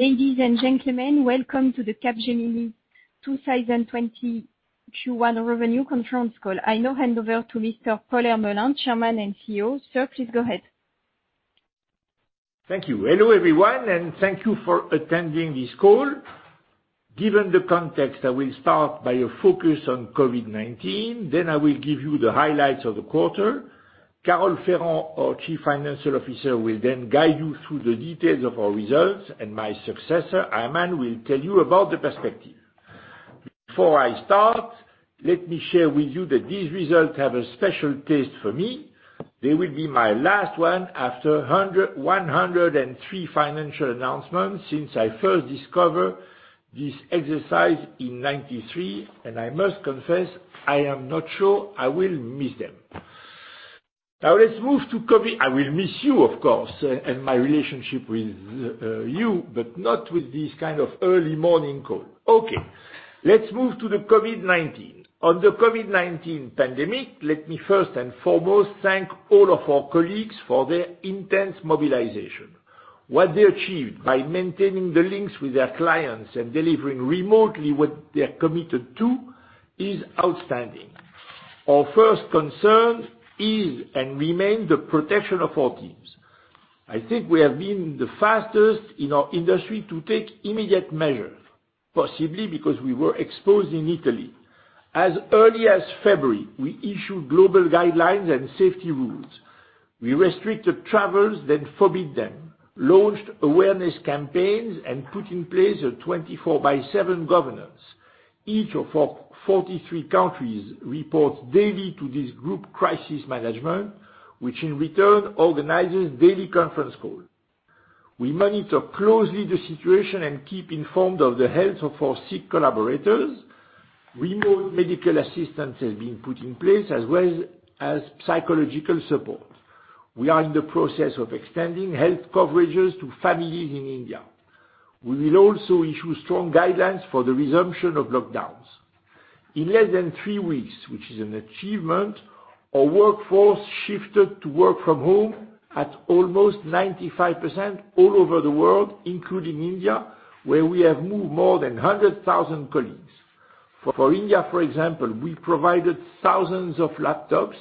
Ladies and gentlemen, welcome to the Capgemini 2020 Q1 revenue confirms call. I now hand over to Mr. Paul Hermelin, Chairman and CEO. Sir, please go ahead. Thank you. Hello everyone, and thank you for attending this call. Given the context, I will start by a focus on COVID-19, then I will give you the highlights of the quarter. Carole Ferrand, our Chief Financial Officer, will then guide you through the details of our results, and my successor, Aiman, will tell you about the perspective. Before I start, let me share with you that these results have a special taste for me. They will be my last one after 103 financial announcements since I first discovered this exercise in 1993, and I must confess, I am not sure I will miss them. Now let's move to COVID—I will miss you, of course, and my relationship with you, but not with this kind of early morning call. Okay, let's move to the COVID-19. On the COVID-19 pandemic, let me first and foremost thank all of our colleagues for their intense mobilization. What they achieved by maintaining the links with their clients and delivering remotely what they're committed to is outstanding. Our first concern is and remains the protection of our teams. I think we have been the fastest in our industry to take immediate measures, possibly because we were exposed in Italy. As early as February, we issued global guidelines and safety rules. We restricted travels, then forbid them, launched awareness campaigns, and put in place a 24x7 governance. Each of our 43 countries reports daily to this group crisis management, which in return organizes daily conference calls. We monitor closely the situation and keep informed of the health of our sick collaborators. Remote medical assistance has been put in place, as well as psychological support. We are in the process of extending health coverages to families in India. We will also issue strong guidelines for the resumption of lockdowns. In less than three weeks, which is an achievement, our workforce shifted to work from home at almost 95% all over the world, including India, where we have moved more than 100,000 colleagues. For India, for example, we provided thousands of laptops.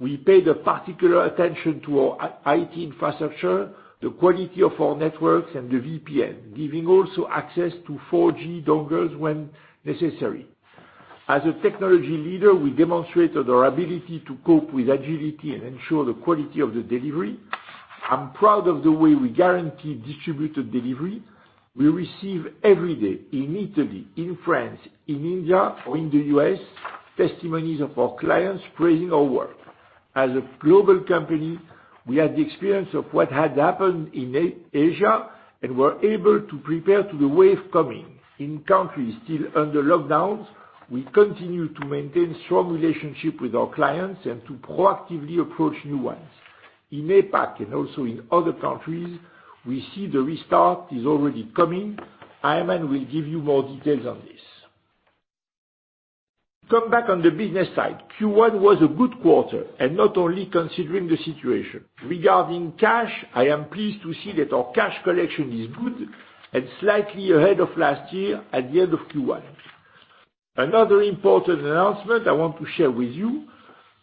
We paid particular attention to our IT infrastructure, the quality of our networks, and the VPN, giving also access to 4G dongles when necessary. As a technology leader, we demonstrate our ability to cope with agility and ensure the quality of the delivery. I'm proud of the way we guarantee distributed delivery. We receive every day in Italy, in France, in India, or in the U.S., testimonies of our clients praising our work. As a global company, we had the experience of what had happened in Asia and were able to prepare for the wave coming. In countries still under lockdowns, we continue to maintain strong relationships with our clients and to proactively approach new ones. In APAC and also in other countries, we see the restart is already coming. Aiman will give you more details on this. Come back on the business side. Q1 was a good quarter, and not only considering the situation. Regarding cash, I am pleased to see that our cash collection is good and slightly ahead of last year at the end of Q1. Another important announcement I want to share with you: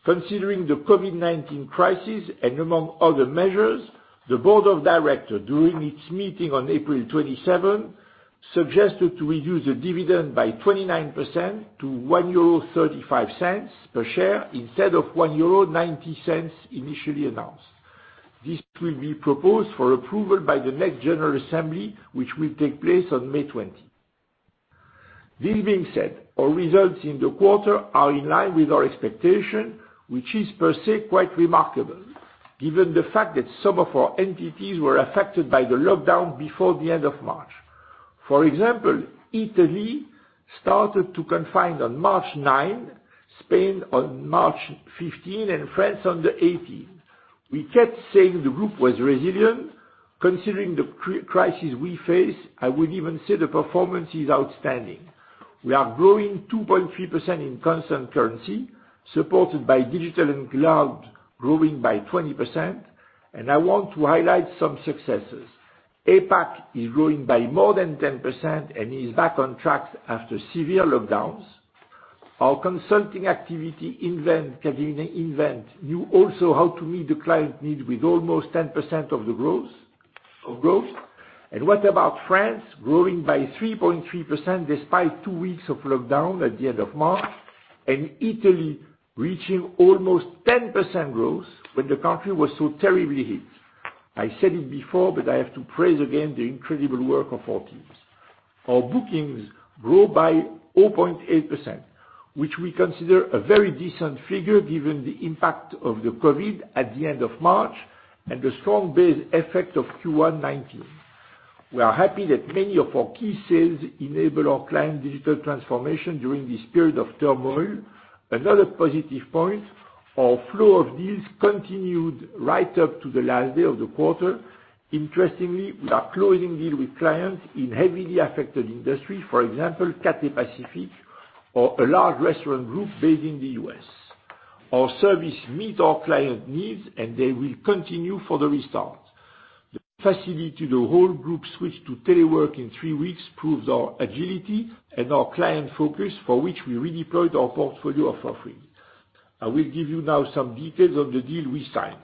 considering the COVID-19 crisis and among other measures, the Board of Directors, during its meeting on April 27, suggested to reduce the dividend by 29% to 1.35 euro per share instead of 1.90 euro initially announced. This will be proposed for approval by the next General Assembly, which will take place on May 20. This being said, our results in the quarter are in line with our expectation, which is per se quite remarkable, given the fact that some of our entities were affected by the lockdown before the end of March. For example, Italy started to confine on March 9, Spain on March 15, and France on the 18th. We kept saying the group was resilient. Considering the crisis we face, I would even say the performance is outstanding. We are growing 2.3% in constant currency, supported by digital and cloud growing by 20%, and I want to highlight some successes. APAC is growing by more than 10% and is back on track after severe lockdowns. Our consulting activity knew also how to meet the client needs with almost 10% of the growth. What about France? Growing by 3.3% despite two weeks of lockdown at the end of March, and Italy reaching almost 10% growth when the country was so terribly hit. I said it before, but I have to praise again the incredible work of our teams. Our bookings grow by 0.8%, which we consider a very decent figure given the impact of COVID-19 at the end of March and the strong base effect of Q1 2019. We are happy that many of our key sales enable our client digital transformation during this period of turmoil. Another positive point: our flow of deals continued right up to the last day of the quarter. Interestingly, we are closing deals with clients in heavily affected industries, for example, Cathay Pacific, or a large restaurant group based in the U.S. Our service meets our client needs, and they will continue for the restart. The facility the whole group switched to telework in three weeks proves our agility and our client focus, for which we redeployed our portfolio offering. I will give you now some details on the deal we signed.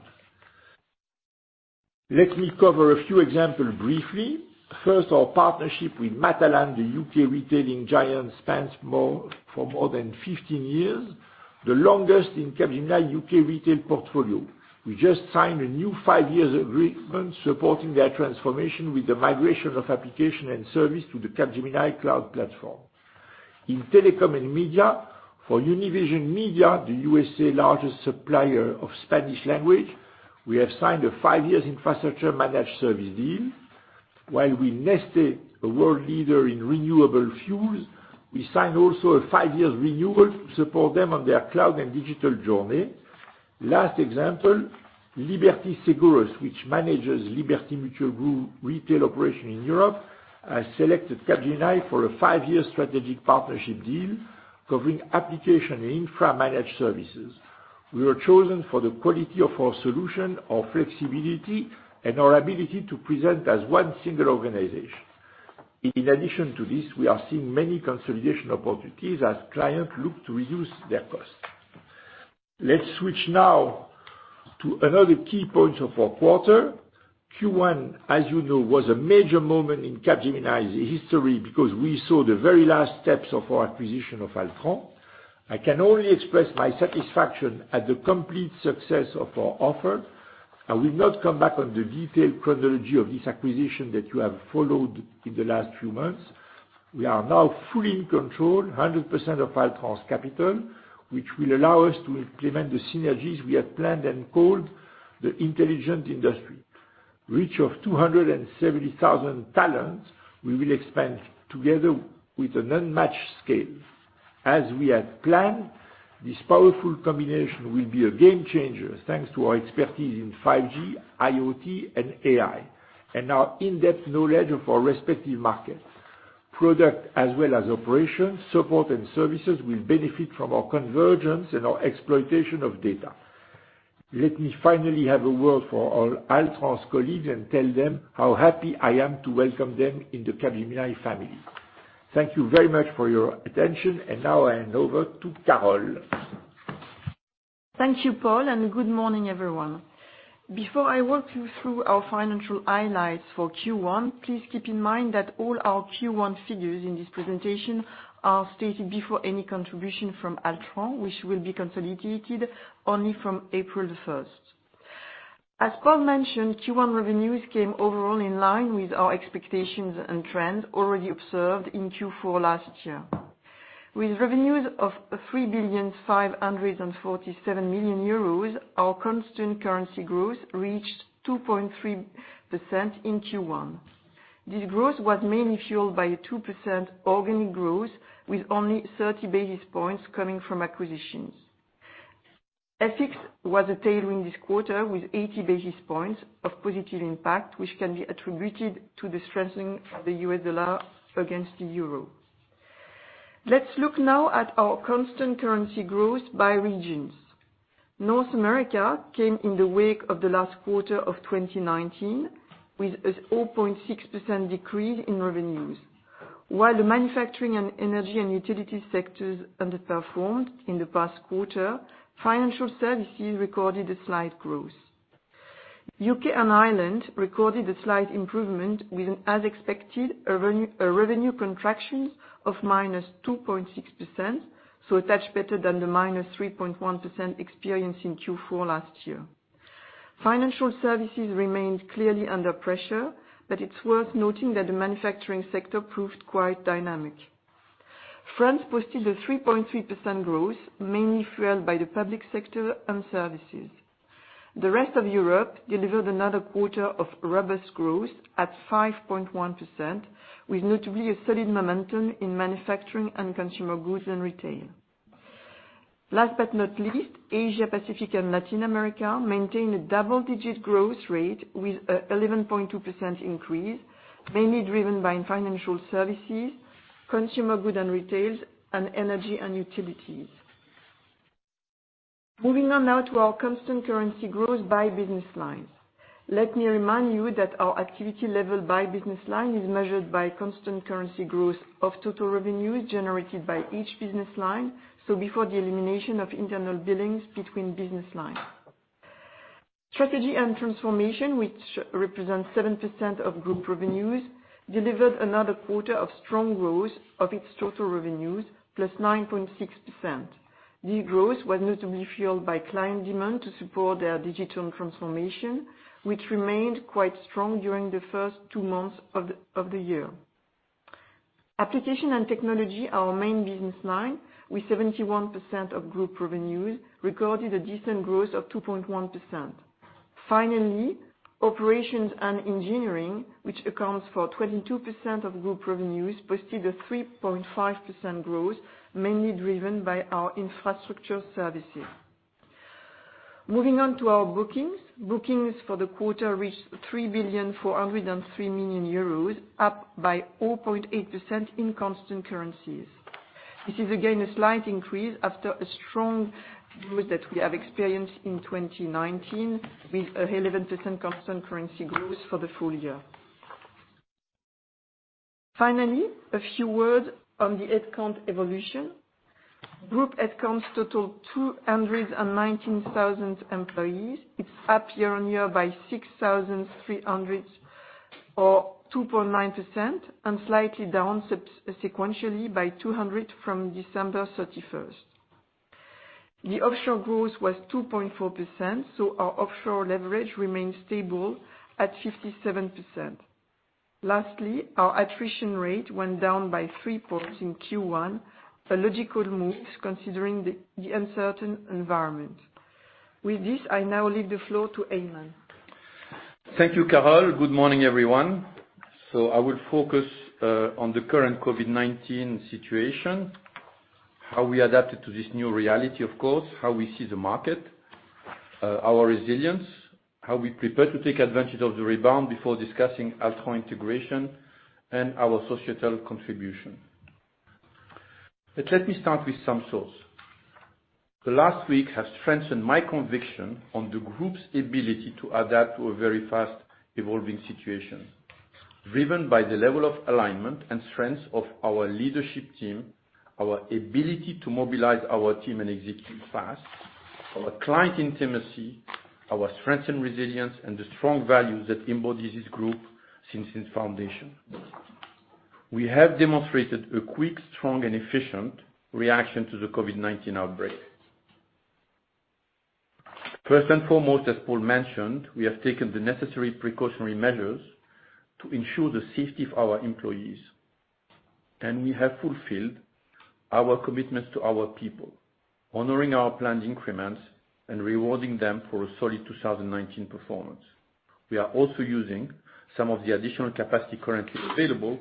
Let me cover a few examples briefly. First, our partnership with Matalan, the U.K. retailing giant, spans for more than 15 years, the longest in Capgemini U.K. retail portfolio. We just signed a new five-year agreement supporting their transformation with the migration of application and service to the Capgemini Cloud Platform. In telecom and media, for Univision, the U.S.'s largest supplier of Spanish language, we have signed a five-year infrastructure managed service deal. While we nested a world leader in renewable fuels, we signed also a five-year renewal to support them on their cloud and digital journey. Last example, Liberty Seguros, which manages Liberty Mutual Group retail operations in Europe, has selected Capgemini for a five-year strategic partnership deal covering application and infra managed services. We were chosen for the quality of our solution, our flexibility, and our ability to present as one single organization. In addition to this, we are seeing many consolidation opportunities as clients look to reduce their costs. Let's switch now to another key point of our quarter. Q1, as you know, was a major moment in Capgemini's history because we saw the very last steps of our acquisition of Altran. I can only express my satisfaction at the complete success of our offer. I will not come back on the detailed chronology of this acquisition that you have followed in the last few months. We are now fully in control, 100% of Altran's capital, which will allow us to implement the synergies we had planned and called the intelligent industry. Reach of 270,000 talents we will expand together with an unmatched scale. As we had planned, this powerful combination will be a game changer thanks to our expertise in 5G, IoT, and AI, and our in-depth knowledge of our respective markets. Product as well as operations, support, and services will benefit from our convergence and our exploitation of data. Let me finally have a word for Altran's colleagues and tell them how happy I am to welcome them in the Capgemini family. Thank you very much for your attention, and now I hand over to Carole. Thank you, Paul, and good morning, everyone. Before I walk you through our financial highlights for Q1, please keep in mind that all our Q1 figures in this presentation are stated before any contribution from Altran, which will be consolidated only from April 1. As Paul mentioned, Q1 revenues came overall in line with our expectations and trends already observed in Q4 last year. With revenues of 3,547 million euros, our constant currency growth reached 2.3% in Q1. This growth was mainly fueled by a 2% organic growth, with only 30 basis points coming from acquisitions. FX was a tailwind this quarter with 80 basis points of positive impact, which can be attributed to the strengthening of the US dollar against the euro. Let's look now at our constant currency growth by regions. North America came in the wake of the last quarter of 2019 with a 0.6% decrease in revenues. While the manufacturing and energy and utility sectors underperformed in the past quarter, financial services recorded a slight growth. U.K. and Ireland recorded a slight improvement with an as-expected revenue contraction of -2.6%, a touch better than the -3.1% experienced in Q4 last year. Financial services remained clearly under pressure, but it's worth noting that the manufacturing sector proved quite dynamic. France posted a 3.3% growth, mainly fueled by the public sector and services. The rest of Europe delivered another quarter of robust growth at 5.1%, with notably a solid momentum in manufacturing and consumer goods and retail. Last but not least, Asia-Pacific and Latin America maintained a double-digit growth rate with an 11.2% increase, mainly driven by financial services, consumer goods and retail, and energy and utilities. Moving on now to our constant currency growth by business lines. Let me remind you that our activity level by business line is measured by constant currency growth of total revenues generated by each business line, so before the elimination of internal billings between business lines. Strategy and transformation, which represents 7% of group revenues, delivered another quarter of strong growth of its total revenues, +9.6%. This growth was notably fueled by client demand to support their digital transformation, which remained quite strong during the first two months of the year. Application and technology are our main business line, with 71% of group revenues, recorded a decent growth of 2.1%. Finally, operations and engineering, which accounts for 22% of group revenues, posted a 3.5% growth, mainly driven by our infrastructure services. Moving on to our bookings, bookings for the quarter reached 3,403 million euros, up by 0.8% in constant currencies. This is again a slight increase after a strong growth that we have experienced in 2019, with a 11% constant currency growth for the full year. Finally, a few words on the headcount evolution. Group headcounts total 219,000 employees. It's up year on year by 6,300 or 2.9%, and slightly down sequentially by 200 from December 31. The offshore growth was 2.4%, so our offshore leverage remained stable at 57%. Lastly, our attrition rate went down by 3% in Q1, a logical move considering the uncertain environment. With this, I now leave the floor to Aiman. Thank you, Carole. Good morning, everyone. I will focus on the current COVID-19 situation, how we adapted to this new reality, of course, how we see the market, our resilience, how we prepared to take advantage of the rebound before discussing Altran integration and our societal contribution. Let me start with some thoughts. The last week has strengthened my conviction on the group's ability to adapt to a very fast-evolving situation, driven by the level of alignment and strengths of our leadership team, our ability to mobilize our team and execute fast, our client intimacy, our strength and resilience, and the strong values that embody this group since its foundation. We have demonstrated a quick, strong, and efficient reaction to the COVID-19 outbreak. First and foremost, as Paul mentioned, we have taken the necessary precautionary measures to ensure the safety of our employees, and we have fulfilled our commitments to our people, honoring our planned increments and rewarding them for a solid 2019 performance. We are also using some of the additional capacity currently available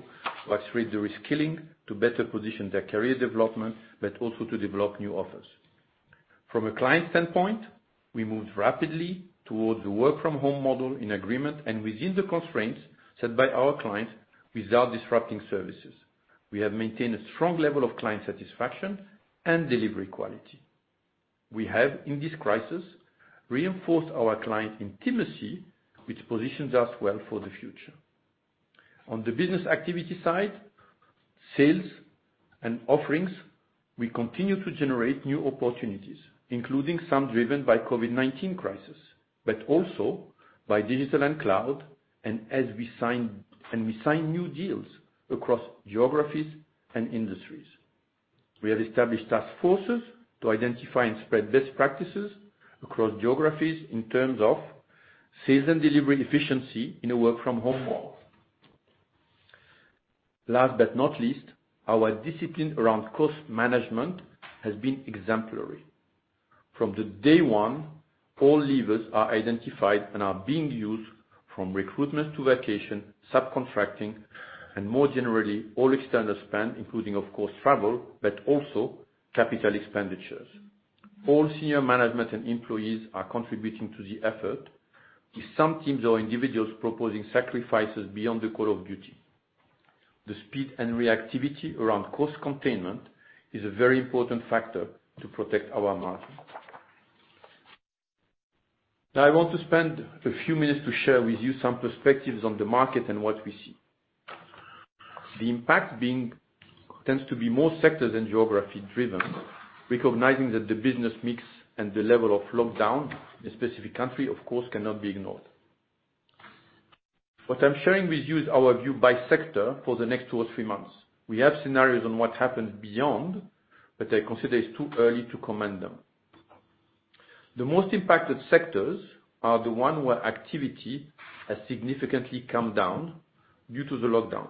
to accelerate the reskilling to better position their career development, but also to develop new offers. From a client standpoint, we moved rapidly towards the work-from-home model in agreement and within the constraints set by our clients without disrupting services. We have maintained a strong level of client satisfaction and delivery quality. We have, in this crisis, reinforced our client intimacy, which positions us well for the future. On the business activity side, sales and offerings, we continue to generate new opportunities, including some driven by the COVID-19 crisis, but also by digital and cloud, and we sign new deals across geographies and industries. We have established task forces to identify and spread best practices across geographies in terms of sales and delivery efficiency in a work-from-home world. Last but not least, our discipline around cost management has been exemplary. From day one, all levers are identified and are being used from recruitment to vacation, subcontracting, and more generally, all external spend, including, of course, travel, but also capital expenditures. All senior management and employees are contributing to the effort, with some teams or individuals proposing sacrifices beyond the call of duty. The speed and reactivity around cost containment is a very important factor to protect our market. Now, I want to spend a few minutes to share with you some perspectives on the market and what we see. The impact tends to be more sectors and geographies driven, recognizing that the business mix and the level of lockdown in a specific country, of course, cannot be ignored. What I'm sharing with you is our view by sector for the next two or three months. We have scenarios on what happens beyond, but I consider it's too early to comment on them. The most impacted sectors are the ones where activity has significantly come down due to the lockdown,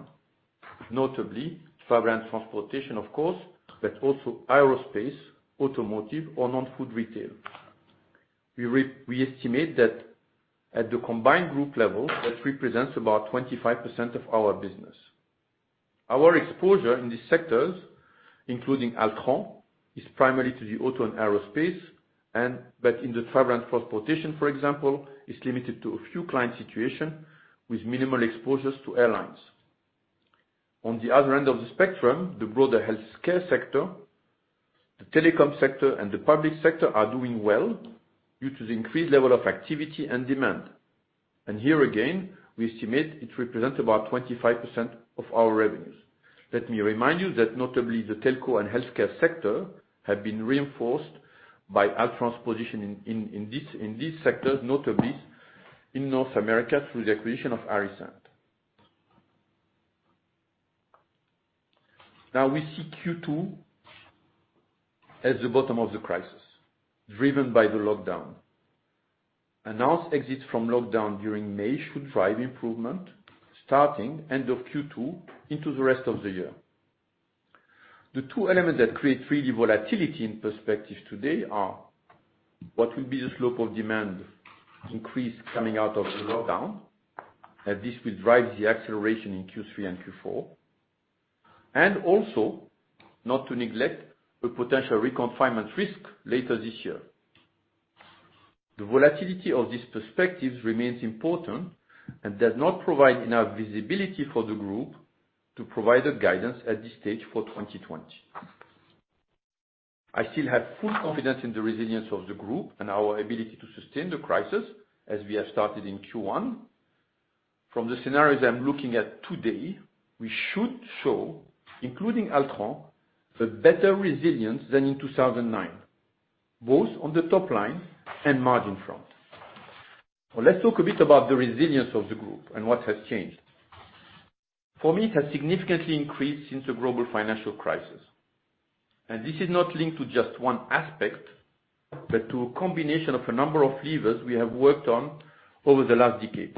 notably travel and transportation, of course, but also aerospace, automotive, or non-food retail. We estimate that at the combined group level, that represents about 25% of our business. Our exposure in these sectors, including Altran, is primarily to the auto and aerospace, but in the travel and transportation, for example, it is limited to a few client situations with minimal exposures to airlines. On the other end of the spectrum, the broader healthcare sector, the telecom sector, and the public sector are doing well due to the increased level of activity and demand. Here again, we estimate it represents about 25% of our revenues. Let me remind you that notably, the telco and healthcare sector have been reinforced by Altran's position in these sectors, notably in North America through the acquisition of Aries. Now, we see Q2 as the bottom of the crisis, driven by the lockdown. Announced exits from lockdown during May should drive improvement starting end of Q2 into the rest of the year. The two elements that create really volatility in perspective today are what will be the slope of demand increase coming out of the lockdown, as this will drive the acceleration in Q3 and Q4, and also, not to neglect, a potential reconfinement risk later this year. The volatility of these perspectives remains important and does not provide enough visibility for the group to provide guidance at this stage for 2020. I still have full confidence in the resilience of the group and our ability to sustain the crisis as we have started in Q1. From the scenarios I'm looking at today, we should show, including Altran, a better resilience than in 2009, both on the top line and margin front. Let's talk a bit about the resilience of the group and what has changed. For me, it has significantly increased since the global financial crisis. This is not linked to just one aspect, but to a combination of a number of levers we have worked on over the last decade.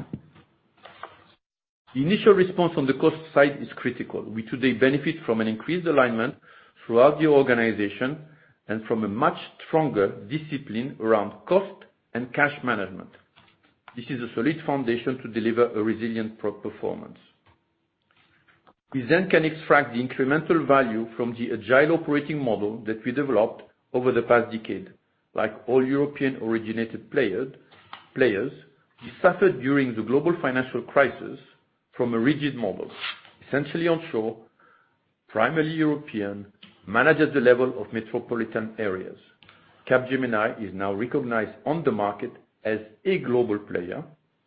The initial response on the cost side is critical. We today benefit from an increased alignment throughout the organization and from a much stronger discipline around cost and cash management. This is a solid foundation to deliver a resilient performance. We then can extract the incremental value from the agile operating model that we developed over the past decade. Like all European-originated players, we suffered during the global financial crisis from a rigid model, essentially onshore, primarily European, managed at the level of metropolitan areas. Capgemini is now recognized on the market as a global player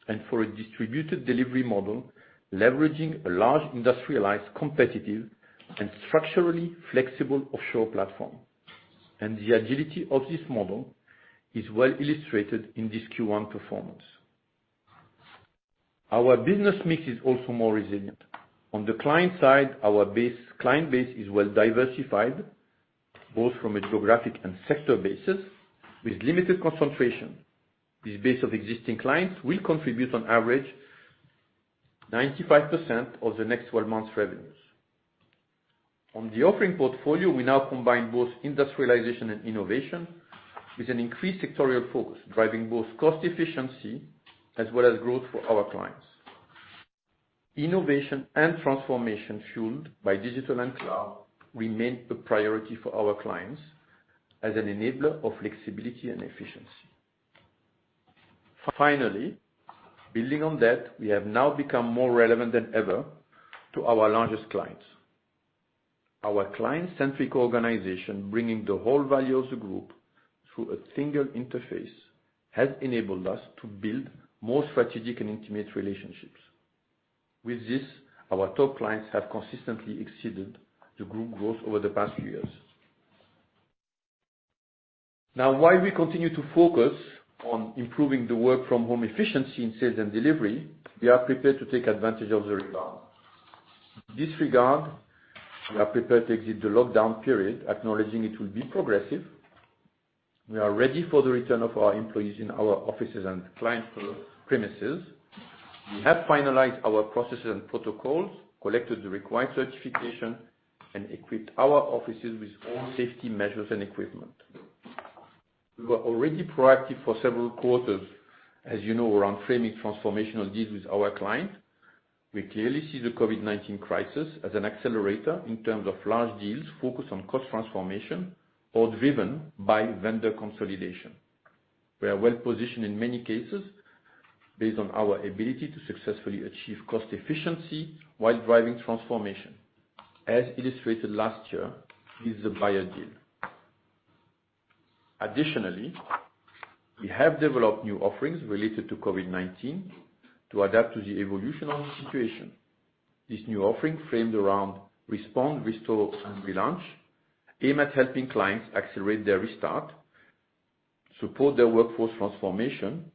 and for a distributed delivery model leveraging a large industrialized, competitive, and structurally flexible offshore platform. The agility of this model is well illustrated in this Q1 performance. Our business mix is also more resilient. On the client side, our client base is well diversified, both from a geographic and sector basis, with limited concentration. This base of existing clients will contribute, on average, 95% of the next 12 months' revenues. On the offering portfolio, we now combine both industrialization and innovation with an increased sectorial focus, driving both cost efficiency as well as growth for our clients. Innovation and transformation fueled by digital and cloud remain a priority for our clients as an enabler of flexibility and efficiency. Finally, building on that, we have now become more relevant than ever to our largest clients. Our client-centric organization, bringing the whole value of the group through a single interface, has enabled us to build more strategic and intimate relationships. With this, our top clients have consistently exceeded the group growth over the past few years. Now, while we continue to focus on improving the work-from-home efficiency in sales and delivery, we are prepared to take advantage of the rebound. With this regard, we are prepared to exit the lockdown period, acknowledging it will be progressive. We are ready for the return of our employees in our offices and client premises. We have finalized our processes and protocols, collected the required certification, and equipped our offices with all safety measures and equipment. We were already proactive for several quarters, as you know, around framing transformational deals with our client. We clearly see the COVID-19 crisis as an accelerator in terms of large deals focused on cost transformation or driven by vendor consolidation. We are well positioned in many cases based on our ability to successfully achieve cost efficiency while driving transformation, as illustrated last year with the buyer deal. Additionally, we have developed new offerings related to COVID-19 to adapt to the evolution of the situation. This new offering framed around respond, restore, and relaunch aim at helping clients accelerate their restart, support their workforce transformation,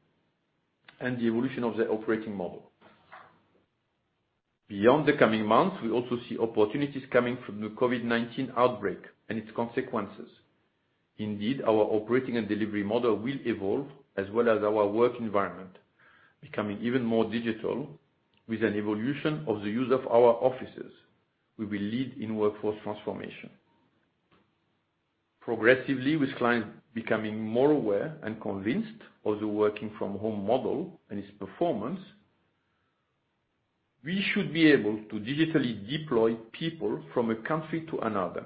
and the evolution of their operating model. Beyond the coming months, we also see opportunities coming from the COVID-19 outbreak and its consequences. Indeed, our operating and delivery model will evolve as well as our work environment, becoming even more digital with an evolution of the use of our offices we will lead in workforce transformation. Progressively, with clients becoming more aware and convinced of the working-from-home model and its performance, we should be able to digitally deploy people from a country to another,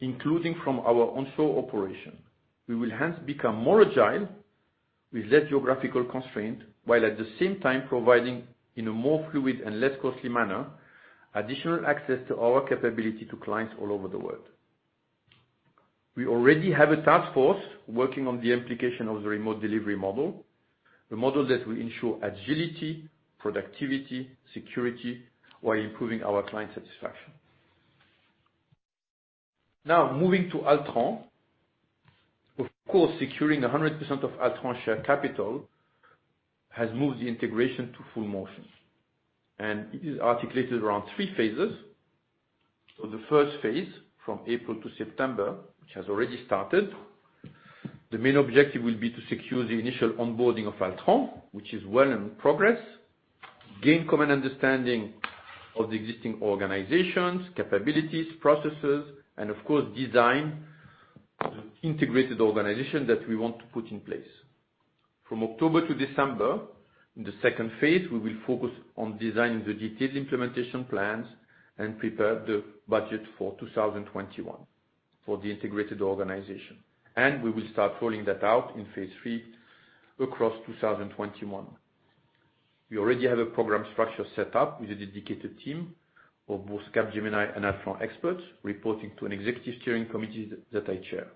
including from our onshore operation. We will hence become more agile with less geographical constraint, while at the same time providing, in a more fluid and less costly manner, additional access to our capability to clients all over the world. We already have a task force working on the implication of the remote delivery model, a model that will ensure agility, productivity, security while improving our client satisfaction. Now, moving to Altran, of course, securing 100% of Altran's share capital has moved the integration to full motion. It is articulated around three phases. The first phase, from April to September, which has already started, the main objective will be to secure the initial onboarding of Altran, which is well in progress, gain common understanding of the existing organizations, capabilities, processes, and, of course, design the integrated organization that we want to put in place. From October to December, in the second phase, we will focus on designing the detailed implementation plans and prepare the budget for 2021 for the integrated organization. We will start rolling that out in phase three across 2021. We already have a program structure set up with a dedicated team of both Capgemini and Altran experts reporting to an executive steering committee that I chair.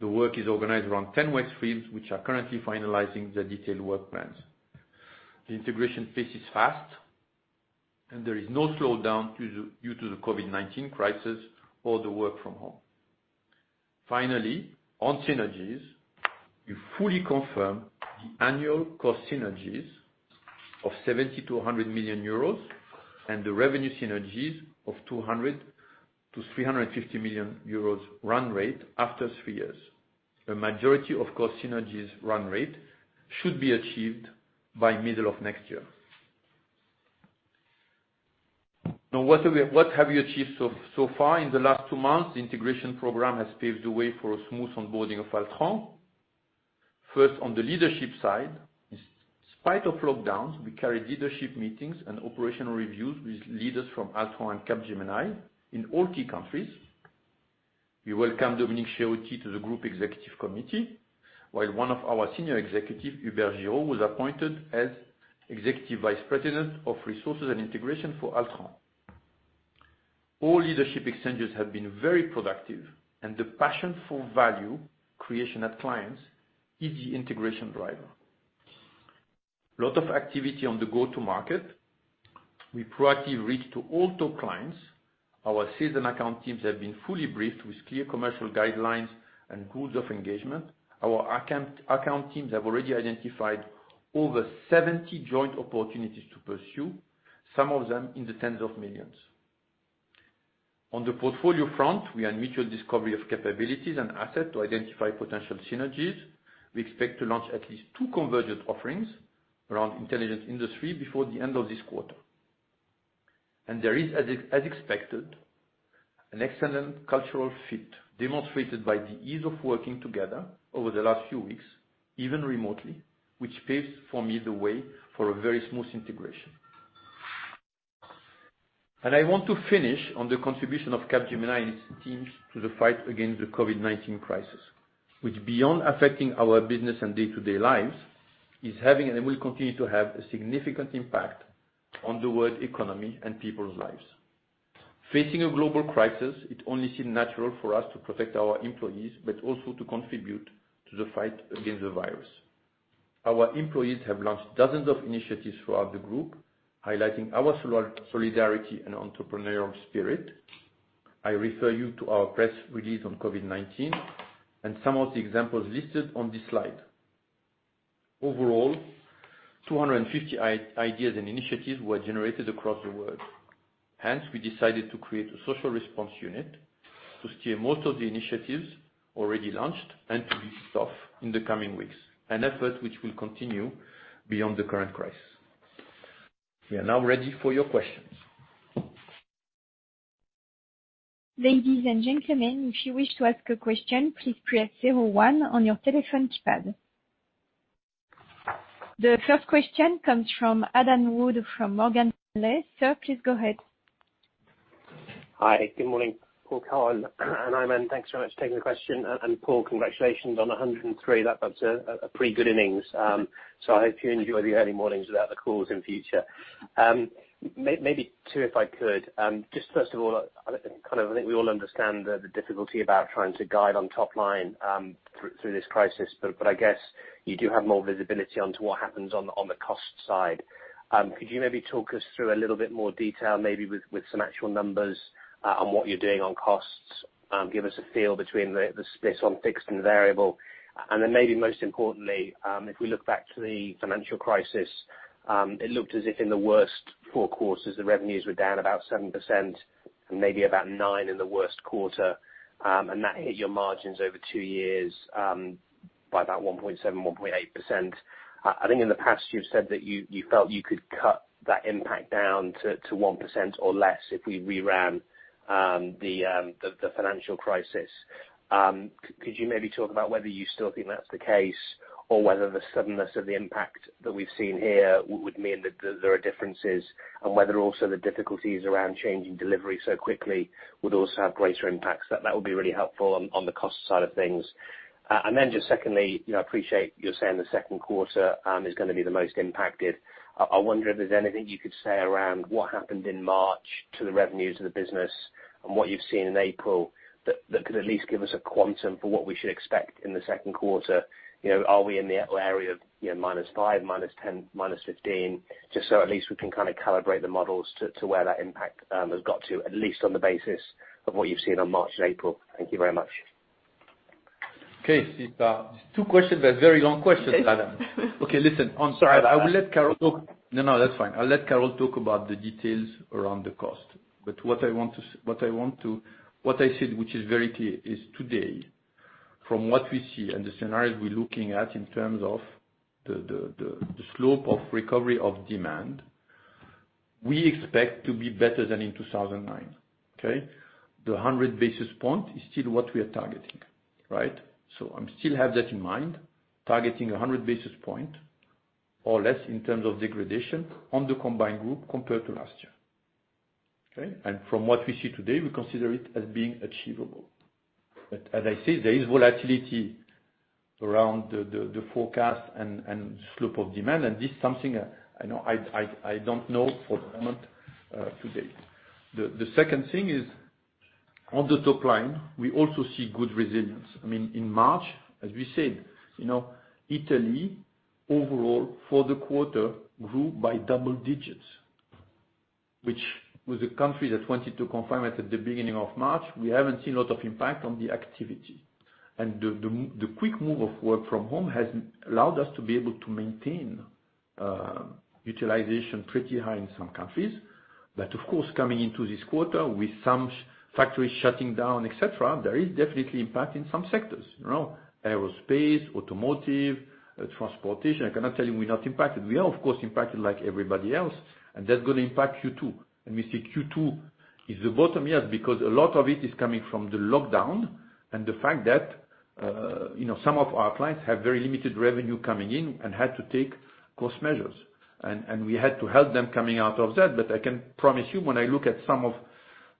The work is organized around 10 work streams, which are currently finalizing the detailed work plans. The integration phase is fast, and there is no slowdown due to the COVID-19 crisis or the work-from-home. Finally, on synergies, we fully confirm the annual cost synergies of 70 million-100 million euros and the revenue synergies of 200 million-350 million euros run rate after three years. A majority of cost synergies run rate should be achieved by middle of next year. Now, what have you achieved so far? In the last two months, the integration program has paved the way for a smooth onboarding of Altran. First, on the leadership side, in spite of lockdowns, we carried leadership meetings and operational reviews with leaders from Altran and Capgemini in all key countries. We welcomed Dominique Cerutti to the group executive committee, while one of our senior executives, Hubert Giraud, was appointed as Executive Vice President of resources and integration for Altran. All leadership exchanges have been very productive, and the passion for value creation at clients is the integration driver. A lot of activity on the go-to-market. We proactively reached all top clients. Our sales and account teams have been fully briefed with clear commercial guidelines and rules of engagement. Our account teams have already identified over 70 joint opportunities to pursue, some of them in the tens of millions. On the portfolio front, we had mutual discovery of capabilities and assets to identify potential synergies. We expect to launch at least two convergent offerings around intelligent industry before the end of this quarter. There is, as expected, an excellent cultural fit demonstrated by the ease of working together over the last few weeks, even remotely, which paves for me the way for a very smooth integration. I want to finish on the contribution of Capgemini and its teams to the fight against the COVID-19 crisis, which, beyond affecting our business and day-to-day lives, is having and will continue to have a significant impact on the world economy and people's lives. Facing a global crisis, it only seemed natural for us to protect our employees, but also to contribute to the fight against the virus. Our employees have launched dozens of initiatives throughout the group, highlighting our solidarity and entrepreneurial spirit. I refer you to our press release on COVID-19 and some of the examples listed on this slide. Overall, 250 ideas and initiatives were generated across the world. Hence, we decided to create a social response unit to steer most of the initiatives already launched and to be stopped in the coming weeks, an effort which will continue beyond the current crisis. We are now ready for your questions. Ladies and gentlemen, if you wish to ask a question, please press 01 on your telephone keypad. The first question comes from Adam Wood from Morgan Stanley. Sir, please go ahead. Hi. Good morning, Paul, Carole, and Aiman. Thanks so much for taking the question. Paul, congratulations on 103. That's a pretty good innings. I hope you enjoy the early mornings without the calls in future. Maybe two, if I could. First of all, I think we all understand the difficulty about trying to guide on top line through this crisis, but I guess you do have more visibility onto what happens on the cost side. Could you maybe talk us through a little bit more detail, maybe with some actual numbers on what you're doing on costs? Give us a feel between the split on fixed and variable. Most importantly, if we look back to the financial crisis, it looked as if in the worst four quarters, the revenues were down about 7%, maybe about 9% in the worst quarter. That hit your margins over two years by about 1.7%-1.8%. I think in the past, you've said that you felt you could cut that impact down to 1% or less if we reran the financial crisis. Could you maybe talk about whether you still think that's the case or whether the suddenness of the impact that we've seen here would mean that there are differences and whether also the difficulties around changing delivery so quickly would also have greater impacts? That would be really helpful on the cost side of things. Just secondly, I appreciate you're saying the second quarter is going to be the most impacted. I wonder if there's anything you could say around what happened in March to the revenues of the business and what you've seen in April that could at least give us a quantum for what we should expect in the second quarter. Are we in the area of -5, -10, -15? Just so at least we can kind of calibrate the models to where that impact has got to, at least on the basis of what you've seen on March and April. Thank you very much. Okay. These two questions are very long questions, Adam. Okay. Listen, I'm sorry. I will let Carole talk. No, no, that's fine. I'll let Carole talk about the details around the cost. What I said, which is very clear, is today, from what we see and the scenarios we're looking at in terms of the slope of recovery of demand, we expect to be better than in 2009. Okay? The 100 basis point is still what we are targeting, right? I still have that in mind, targeting 100 basis point or less in terms of degradation on the combined group compared to last year. Okay? From what we see today, we consider it as being achievable. As I said, there is volatility around the forecast and the slope of demand. This is something I don't know for the moment today. The second thing is, on the top line, we also see good resilience. I mean, in March, as we said, Italy overall for the quarter grew by double digits, which was a country that wanted to confirm at the beginning of March. We haven't seen a lot of impact on the activity. The quick move of work from home has allowed us to be able to maintain utilization pretty high in some countries. Of course, coming into this quarter with some factories shutting down, etc., there is definitely impact in some sectors: aerospace, automotive, transportation. I cannot tell you we're not impacted. We are, of course, impacted like everybody else. That's going to impact Q2. We see Q2 is the bottom yet because a lot of it is coming from the lockdown and the fact that some of our clients have very limited revenue coming in and had to take cost measures. We had to help them coming out of that. I can promise you, when I look at some of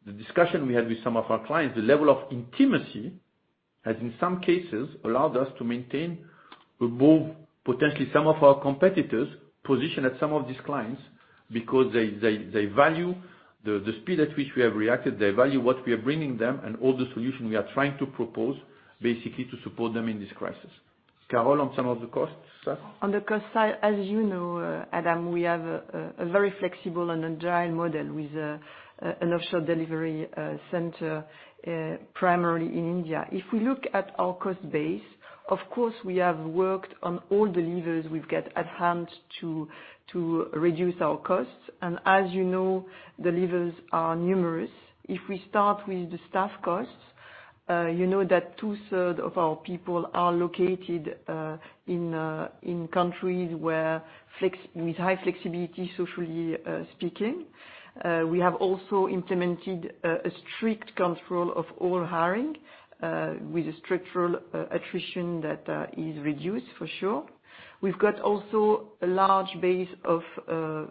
the discussion we had with some of our clients, the level of intimacy has in some cases allowed us to maintain above potentially some of our competitors' position at some of these clients because they value the speed at which we have reacted. They value what we are bringing them and all the solutions we are trying to propose, basically to support them in this crisis. Carole, on some of the costs, sir? On the cost side, as you know, Adam, we have a very flexible and agile model with an offshore delivery center primarily in India. If we look at our cost base, of course, we have worked on all the levers we've got at hand to reduce our costs. As you know, the levers are numerous. If we start with the staff costs, you know that two-thirds of our people are located in countries with high flexibility, socially speaking. We have also implemented a strict control of all hiring with a structural attrition that is reduced, for sure. We've got also a large base of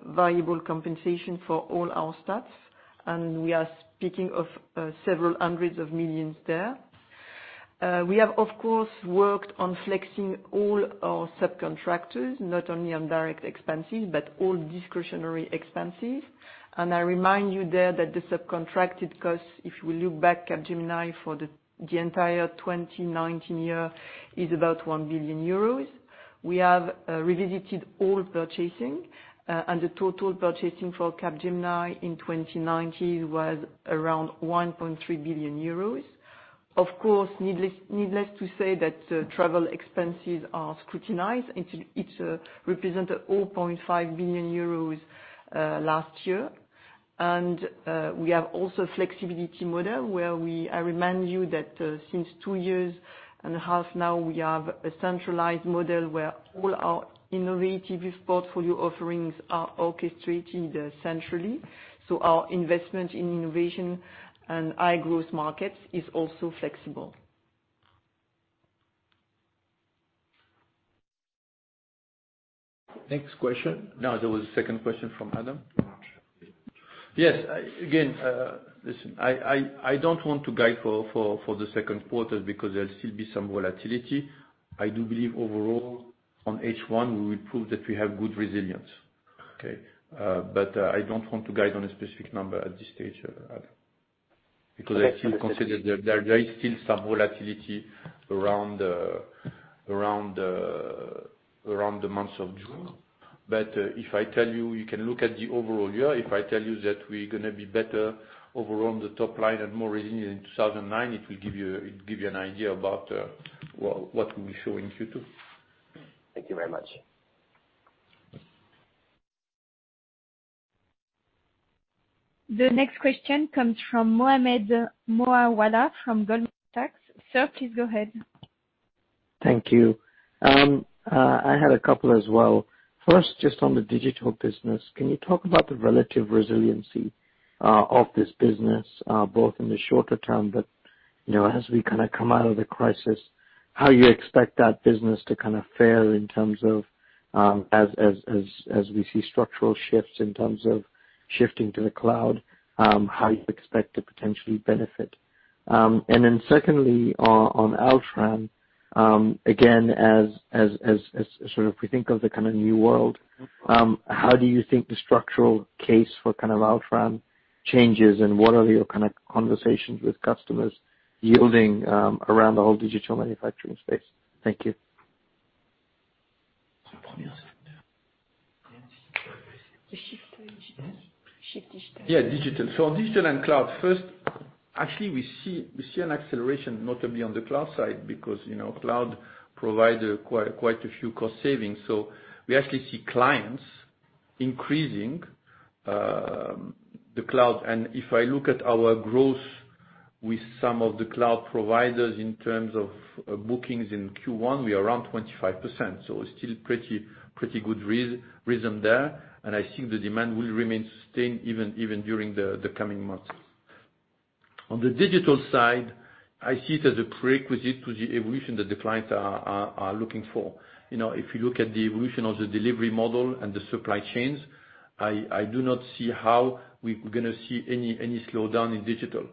variable compensation for all our staff. We are speaking of several hundreds of millions there. We have, of course, worked on flexing all our subcontractors, not only on direct expenses, but all discretionary expenses. I remind you there that the subcontracted costs, if we look back at Capgemini for the entire 2019 year, is about 1 billion euros. We have revisited all purchasing. The total purchasing for Capgemini in 2019 was around 1.3 billion euros. Of course, needless to say that travel expenses are scrutinized. It represents EUR 0.5 billion last year. We have also a flexibility model where I remind you that since two years and a half now, we have a centralized model where all our innovative portfolio offerings are orchestrated centrally. Our investment in innovation and high-growth markets is also flexible. Next question. Now, there was a second question from Adam. Yes. Again, listen, I do not want to guide for the second quarter because there will still be some volatility. I do believe overall, on H1, we will prove that we have good resilience. Okay? I do not want to guide on a specific number at this stage, Adam, because I still consider there is still some volatility around the months of June. If I tell you, you can look at the overall year. If I tell you that we are going to be better overall on the top line and more resilient in 2009, it will give you an idea about what we will show in Q2. Thank you very much. The next question comes from Mohammed Moawalla from Goldman Sachs. Sir, please go ahead. Thank you. I had a couple as well. First, just on the digital business, can you talk about the relative resiliency of this business, both in the shorter term, but as we kind of come out of the crisis, how you expect that business to kind of fare in terms of, as we see structural shifts in terms of shifting to the cloud, how you expect to potentially benefit? Secondly, on Altran, again, as sort of we think of the kind of new world, how do you think the structural case for kind of Altran changes and what are your kind of conversations with customers yielding around the whole digital manufacturing space? Thank you. Yeah. Digital. On digital and cloud, first, actually, we see an acceleration, notably on the cloud side because cloud provides quite a few cost savings. We actually see clients increasing the cloud. If I look at our growth with some of the cloud providers in terms of bookings in Q1, we are around 25%. It is still pretty good rhythm there. I see the demand will remain sustained even during the coming months. On the digital side, I see it as a prerequisite to the evolution that the clients are looking for. If you look at the evolution of the delivery model and the supply chains, I do not see how we are going to see any slowdown in digital.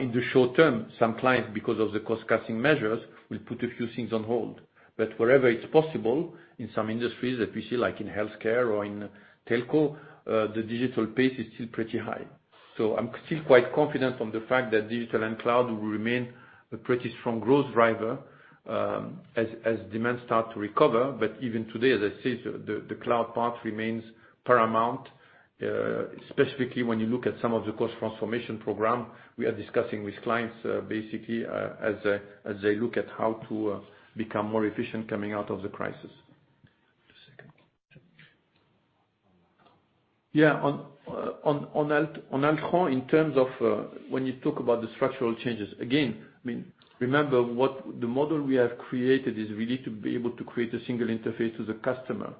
In the short term, some clients, because of the cost-cutting measures, will put a few things on hold. Wherever it is possible in some industries that we see, like in healthcare or in telco, the digital pace is still pretty high. I am still quite confident on the fact that digital and cloud will remain a pretty strong growth driver as demand starts to recover. Even today, as I said, the cloud part remains paramount, especially when you look at some of the cost transformation programs we are discussing with clients, basically as they look at how to become more efficient coming out of the crisis. Yeah. On Altran, in terms of when you talk about the structural changes, again, I mean, remember what the model we have created is really to be able to create a single interface to the customer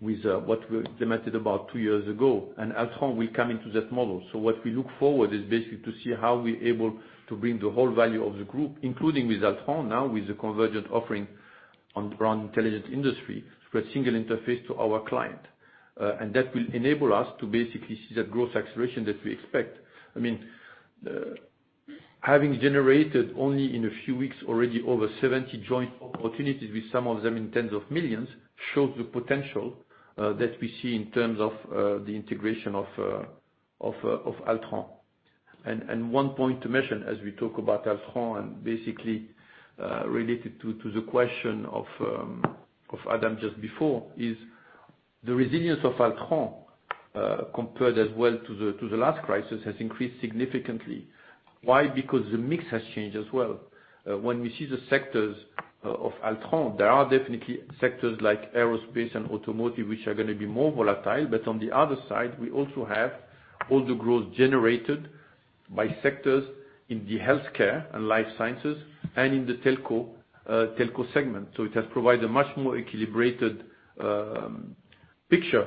with what we implemented about two years ago. Altran will come into that model. What we look forward to is basically to see how we're able to bring the whole value of the group, including with Altran now, with the convergent offering around intelligent industry, to create a single interface to our client. That will enable us to basically see that growth acceleration that we expect. I mean, having generated only in a few weeks already over 70 joint opportunities, with some of them in tens of millions, shows the potential that we see in terms of the integration of Altran. One point to mention as we talk about Altran and basically related to the question of Adam just before is the resilience of Altran compared as well to the last crisis has increased significantly. Why? Because the mix has changed as well. When we see the sectors of Altran, there are definitely sectors like aerospace and automotive, which are going to be more volatile. On the other side, we also have all the growth generated by sectors in the healthcare and life sciences and in the telco segment. It has provided a much more equilibrated picture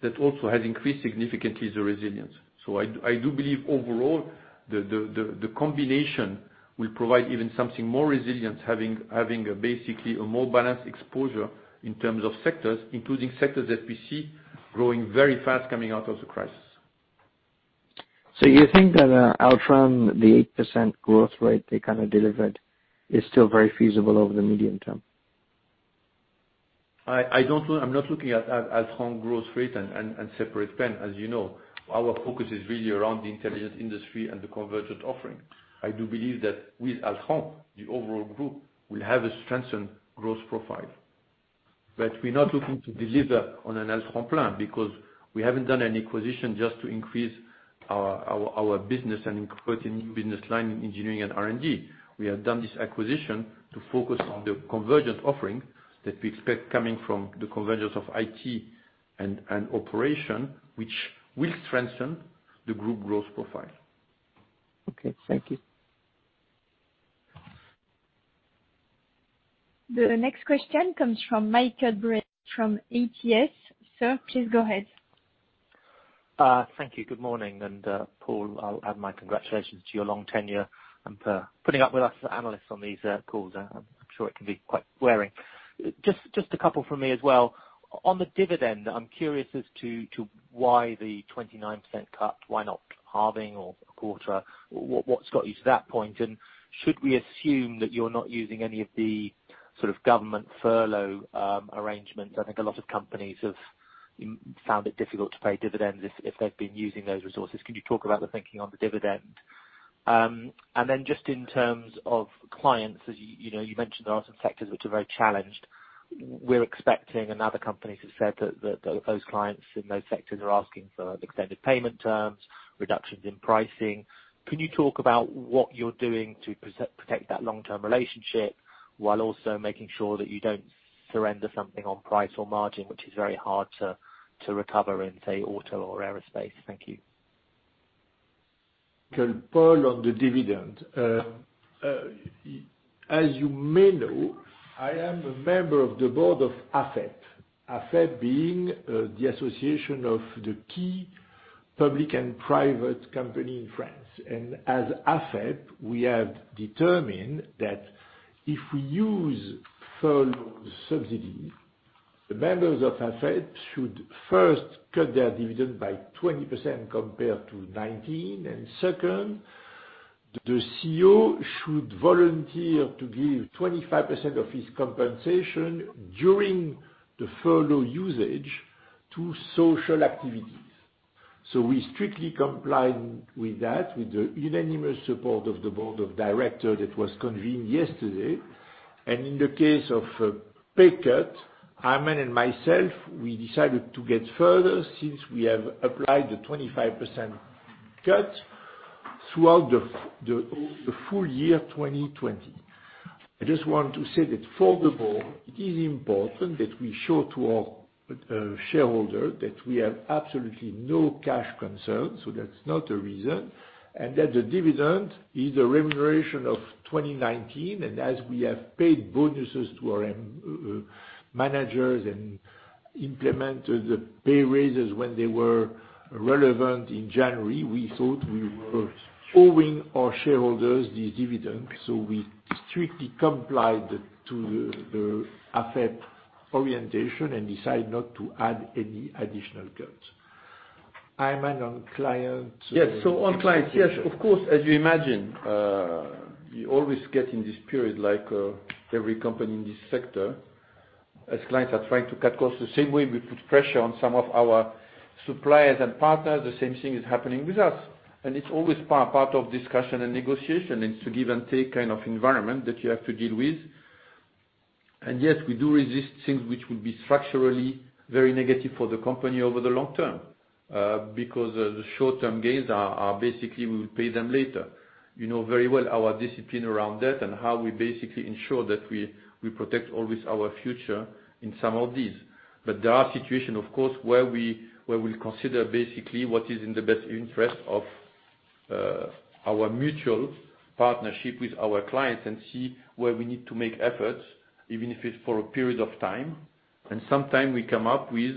that also has increased significantly the resilience. I do believe overall, the combination will provide even something more resilient, having basically a more balanced exposure in terms of sectors, including sectors that we see growing very fast coming out of the crisis. You think that Altran, the 8% growth rate they kind of delivered, is still very feasible over the medium term? I'm not looking at Altran growth rate and separate spend, as you know. Our focus is really around the intelligent industry and the convergent offering. I do believe that with Altran, the overall group will have a strengthened growth profile. We're not looking to deliver on an Altran plan because we haven't done any acquisition just to increase our business and create a new business line in engineering and R&D. We have done this acquisition to focus on the convergent offering that we expect coming from the convergence of IT and operation, which will strengthen the group growth profile. Okay. Thank you. The next question comes from Michael Briest from UBS. Sir, please go ahead. Thank you. Good morning. Paul, I'll add my congratulations to your long tenure and for putting up with us as analysts on these calls. I'm sure it can be quite wearing. Just a couple from me as well. On the dividend, I'm curious as to why the 29% cut, why not halving or a quarter? What's got you to that point? Should we assume that you're not using any of the sort of government furlough arrangements? I think a lot of companies have found it difficult to pay dividends if they've been using those resources. Can you talk about the thinking on the dividend? In terms of clients, as you mentioned, there are some sectors which are very challenged. We're expecting, and other companies have said that those clients in those sectors are asking for extended payment terms, reductions in pricing. Can you talk about what you're doing to protect that long-term relationship while also making sure that you don't surrender something on price or margin, which is very hard to recover in, say, auto or aerospace? Thank you. Okay. Paul, on the dividend. As you may know, I am a member of the board of AFEP, AFEP being the association of the key public and private companies in France. As AFEP, we have determined that if we use furlough subsidies, the members of AFEP should first cut their dividend by 20% compared to 2019. Second, the CEO should volunteer to give 25% of his compensation during the furlough usage to social activities. We strictly complied with that, with the unanimous support of the board of directors that was convened yesterday. In the case of pay cut, I mean, and myself, we decided to go further since we have applied the 25% cut throughout the full year 2020. I just want to say that for the board, it is important that we show to our shareholders that we have absolutely no cash concerns. That is not a reason. The dividend is the remuneration of 2019. As we have paid bonuses to our managers and implemented the pay raises when they were relevant in January, we thought we were owing our shareholders this dividend. We strictly complied to the AFEP orientation and decided not to add any additional cuts. I mean, on clients. Yes. On clients, yes. Of course, as you imagine, you always get in this period, like every company in this sector, as clients are trying to cut costs, the same way we put pressure on some of our suppliers and partners, the same thing is happening with us. It is always part of discussion and negotiation. It is a give-and-take kind of environment that you have to deal with. Yes, we do resist things which would be structurally very negative for the company over the long term because the short-term gains are basically we will pay them later. You know very well our discipline around that and how we basically ensure that we protect always our future in some of these. There are situations, of course, where we'll consider basically what is in the best interest of our mutual partnership with our clients and see where we need to make efforts, even if it's for a period of time. Sometimes we come up with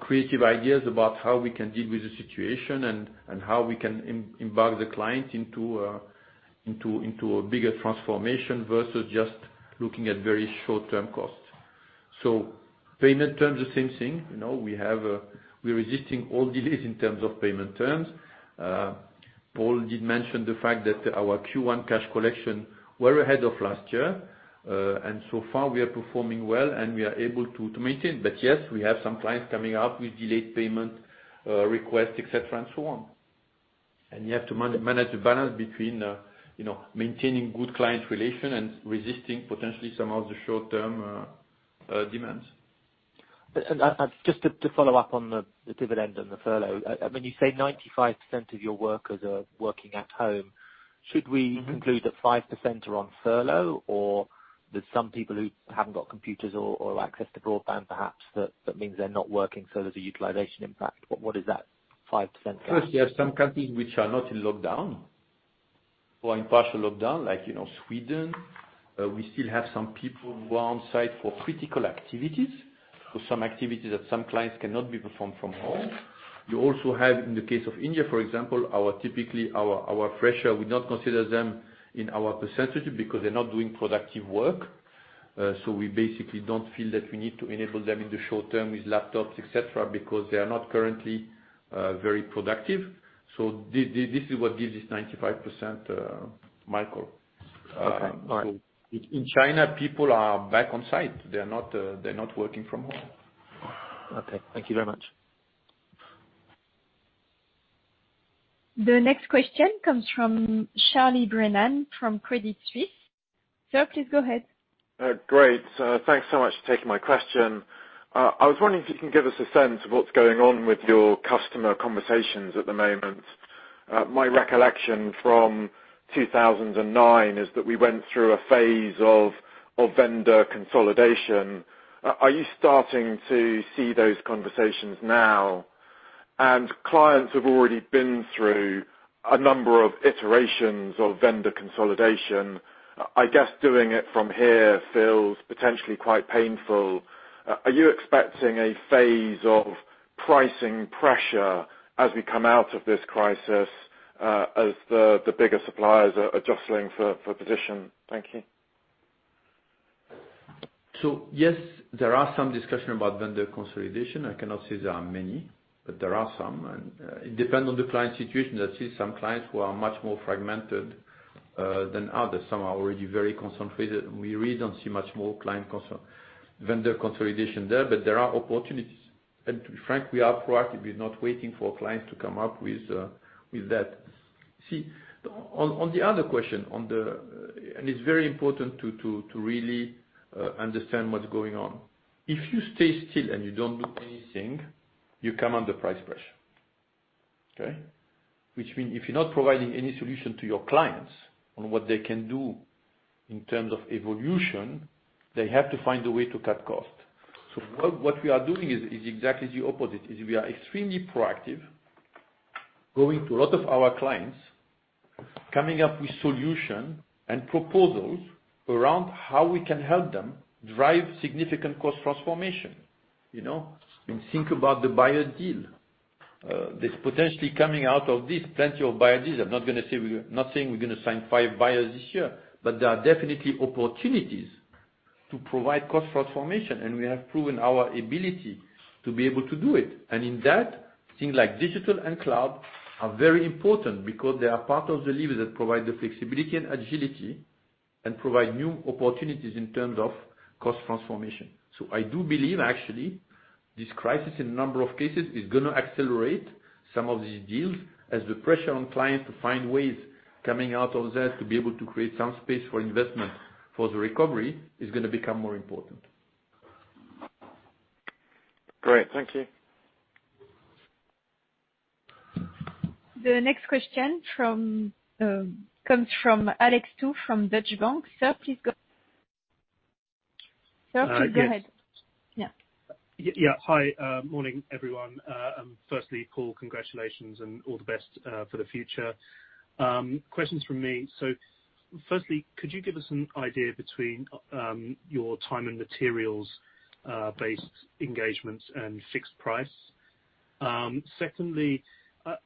creative ideas about how we can deal with the situation and how we can embark the client into a bigger transformation versus just looking at very short-term costs. Payment terms, the same thing. We're resisting all delays in terms of payment terms. Paul did mention the fact that our Q1 cash collection was ahead of last year. So far, we are performing well and we are able to maintain. Yes, we have some clients coming up with delayed payment requests, etc., and so on. You have to manage the balance between maintaining good client relations and resisting potentially some of the short-term demands. Just to follow up on the dividend and the furlough, I mean, you say 95% of your workers are working at home. Should we conclude that 5% are on furlough, or there's some people who haven't got computers or access to broadband, perhaps, that means they're not working, so there's a utilization impact? What is that 5%? First, you have some countries which are not in lockdown or in partial lockdown, like Sweden. We still have some people who are on site for critical activities, for some activities that some clients cannot be performed from home. You also have, in the case of India, for example, typically our pressure would not consider them in our percentage because they're not doing productive work. We basically don't feel that we need to enable them in the short term with laptops, etc., because they are not currently very productive. This is what gives this 95%, Michael. Okay. All right. In China, people are back on site. They're not working from home. Okay. Thank you very much. The next question comes from Charlie Brennan from Credit Suisse. Sir, please go ahead. Great. Thanks so much for taking my question. I was wondering if you can give us a sense of what's going on with your customer conversations at the moment. My recollection from 2009 is that we went through a phase of vendor consolidation. Are you starting to see those conversations now? Clients have already been through a number of iterations of vendor consolidation. I guess doing it from here feels potentially quite painful. Are you expecting a phase of pricing pressure as we come out of this crisis, as the bigger suppliers are jostling for position? Thank you. Yes, there are some discussions about vendor consolidation. I cannot say there are many, but there are some. It depends on the client situation. I see some clients who are much more fragmented than others. Some are already very concentrated. We really do not see much more vendor consolidation there, but there are opportunities. Frankly, we are proactive. We are not waiting for clients to come up with that. On the other question, it is very important to really understand what is going on. If you stay still and you do not do anything, you come under price pressure, okay? Which means if you are not providing any solution to your clients on what they can do in terms of evolution, they have to find a way to cut costs. What we are doing is exactly the opposite. We are extremely proactive, going to a lot of our clients, coming up with solutions and proposals around how we can help them drive significant cost transformation. You think about the buyer deal. There is potentially coming out of this plenty of buyer deals. I'm not going to say we're not saying we're going to sign five buyers this year, but there are definitely opportunities to provide cost transformation. We have proven our ability to be able to do it. In that, things like digital and cloud are very important because they are part of the levers that provide the flexibility and agility and provide new opportunities in terms of cost transformation. I do believe, actually, this crisis in a number of cases is going to accelerate some of these deals as the pressure on clients to find ways coming out of there to be able to create some space for investment for the recovery is going to become more important. Great. Thank you. The next question comes from Alex Tout from Deutsche Bank. Sir, please go ahead. Hi. Yeah. Yeah. Hi. Morning, everyone. Firstly, Paul, congratulations and all the best for the future. Questions from me. Firstly, could you give us an idea between your time and materials-based engagements and fixed price? I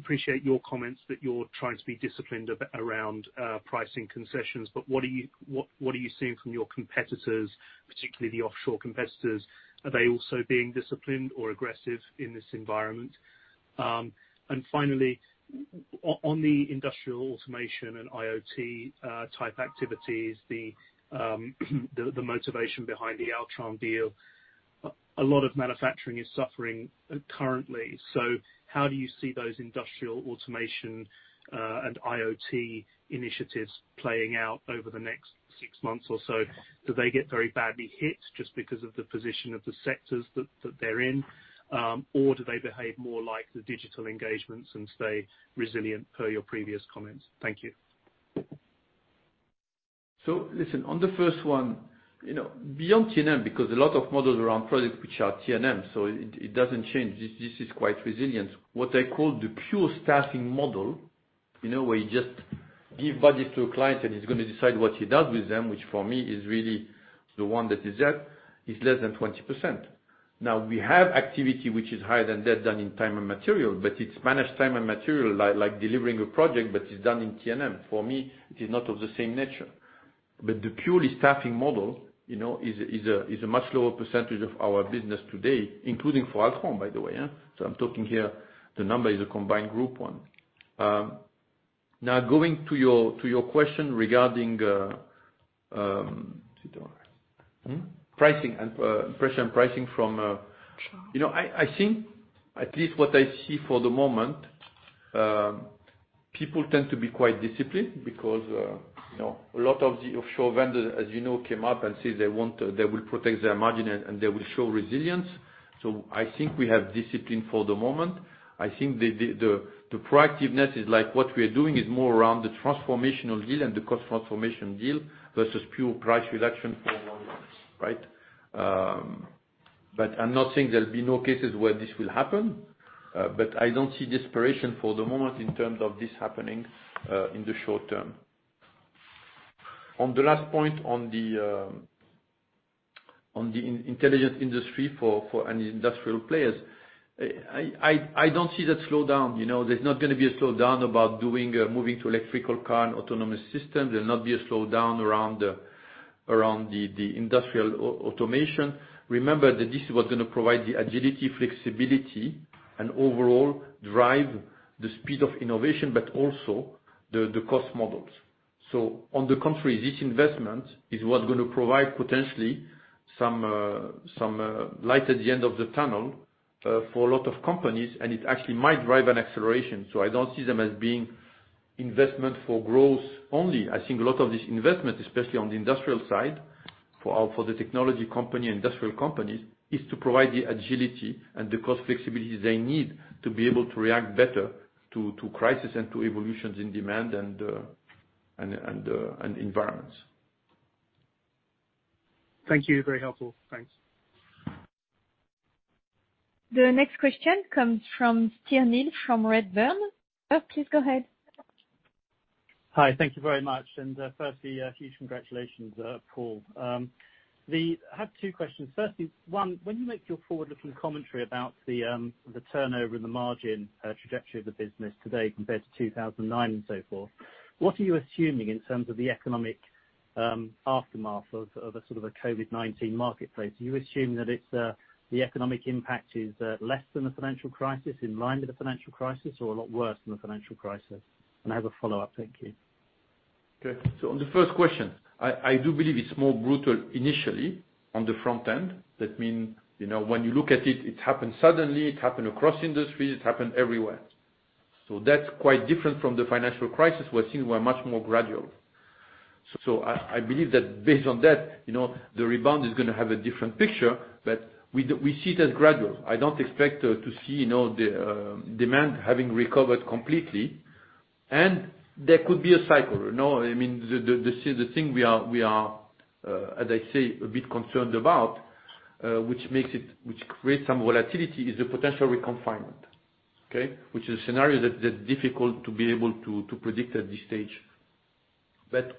appreciate your comments that you're trying to be disciplined around pricing concessions, but what are you seeing from your competitors, particularly the offshore competitors? Are they also being disciplined or aggressive in this environment? Finally, on the industrial automation and IoT-type activities, the motivation behind the Altran deal, a lot of manufacturing is suffering currently. How do you see those industrial automation and IoT initiatives playing out over the next six months or so? Do they get very badly hit just because of the position of the sectors that they're in, or do they behave more like the digital engagements and stay resilient per your previous comments? Thank you. Listen, on the first one, beyond TNM, because a lot of models around projects which are TNM, it does not change. This is quite resilient. What I call the pure staffing model, where you just give budgets to a client and he is going to decide what he does with them, which for me is really the one that is there, is less than 20%. Now, we have activity which is higher than that done in time and material, but it is managed time and material, like delivering a project, but it is done in TNM. For me, it is not of the same nature. The purely staffing model is a much lower percentage of our business today, including for Altran, by the way. I am talking here, the number is a combined group one. Now, going to your question regarding pricing and pressure and pricing from I think, at least what I see for the moment, people tend to be quite disciplined because a lot of the offshore vendors, as you know, came up and said they will protect their margin and they will show resilience. I think we have discipline for the moment. I think the proactiveness is like what we are doing is more around the transformational deal and the cost transformation deal versus pure price reduction for volumes, right? I'm not saying there will be no cases where this will happen, but I don't see desperation for the moment in terms of this happening in the short term. On the last point on the intelligent industry for any industrial players, I don't see that slowdown. There's not going to be a slowdown about moving to electrical car and autonomous systems. There'll not be a slowdown around the industrial automation. Remember that this is what's going to provide the agility, flexibility, and overall drive the speed of innovation, but also the cost models. On the contrary, this investment is what's going to provide potentially some light at the end of the tunnel for a lot of companies, and it actually might drive an acceleration. I don't see them as being investment for growth only. I think a lot of this investment, especially on the industrial side for the technology company and industrial companies, is to provide the agility and the cost flexibility they need to be able to react better to crisis and to evolutions in demand and environments. Thank you. Very helpful. Thanks. The next question comes from Neil Steer from Redburn. Sir, please go ahead. Hi. Thank you very much. Firstly, huge congratulations, Paul. I have two questions. Firstly, when you make your forward-looking commentary about the turnover and the margin trajectory of the business today compared to 2009 and so forth, what are you assuming in terms of the economic aftermath of a sort of a COVID-19 marketplace? Are you assuming that the economic impact is less than the financial crisis, in line with the financial crisis, or a lot worse than the financial crisis? I have a follow-up. Thank you. Okay. On the first question, I do believe it's more brutal initially on the front end. That means when you look at it, it happened suddenly. It happened across industries. It happened everywhere. That's quite different from the financial crisis where things were much more gradual. I believe that based on that, the rebound is going to have a different picture, but we see it as gradual. I don't expect to see demand having recovered completely. There could be a cycle. I mean, the thing we are, as I say, a bit concerned about, which creates some volatility, is the potential reconfinement, which is a scenario that's difficult to be able to predict at this stage.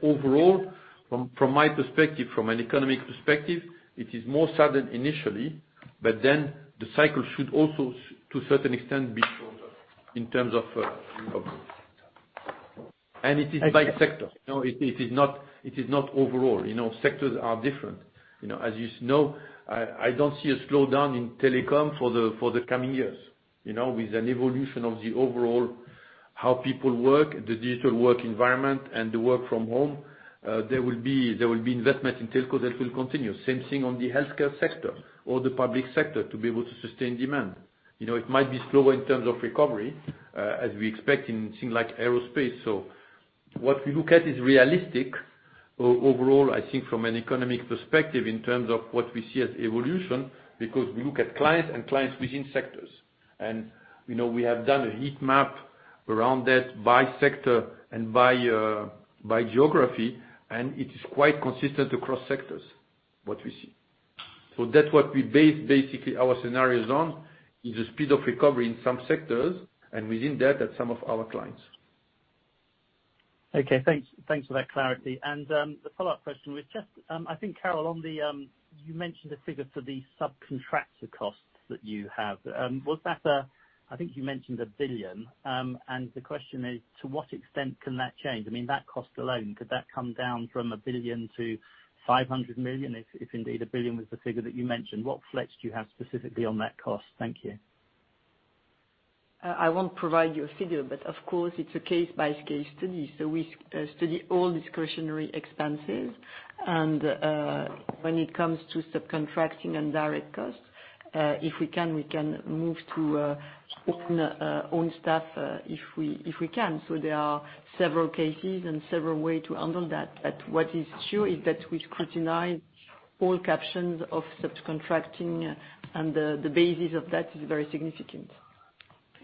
Overall, from my perspective, from an economic perspective, it is more sudden initially, but then the cycle should also, to a certain extent, be shorter in terms of. It is by sector. It is not overall. Sectors are different. As you know, I do not see a slowdown in telecom for the coming years. With an evolution of the overall how people work, the digital work environment, and the work from home, there will be investment in telcos that will continue. Same thing on the healthcare sector or the public sector to be able to sustain demand. It might be slower in terms of recovery, as we expect in things like aerospace. What we look at is realistic overall, I think, from an economic perspective in terms of what we see as evolution, because we look at clients and clients within sectors. We have done a heat map around that by sector and by geography, and it is quite consistent across sectors, what we see. That is what we base basically our scenarios on, is the speed of recovery in some sectors and within that at some of our clients. Okay. Thanks for that clarity. The follow-up question was just, I think, Carole, you mentioned a figure for the subcontractor costs that you have. I think you mentioned a billion. The question is, to what extent can that change? I mean, that cost alone, could that come down from a billion to 500 million if indeed a billion was the figure that you mentioned? What flex do you have specifically on that cost? Thank you. I won't provide you a figure, but of course, it's a case-by-case study. We study all discretionary expenses. When it comes to subcontracting and direct costs, if we can, we can move to own staff if we can. There are several cases and several ways to handle that. What is true is that we scrutinize all captions of subcontracting, and the basis of that is very significant.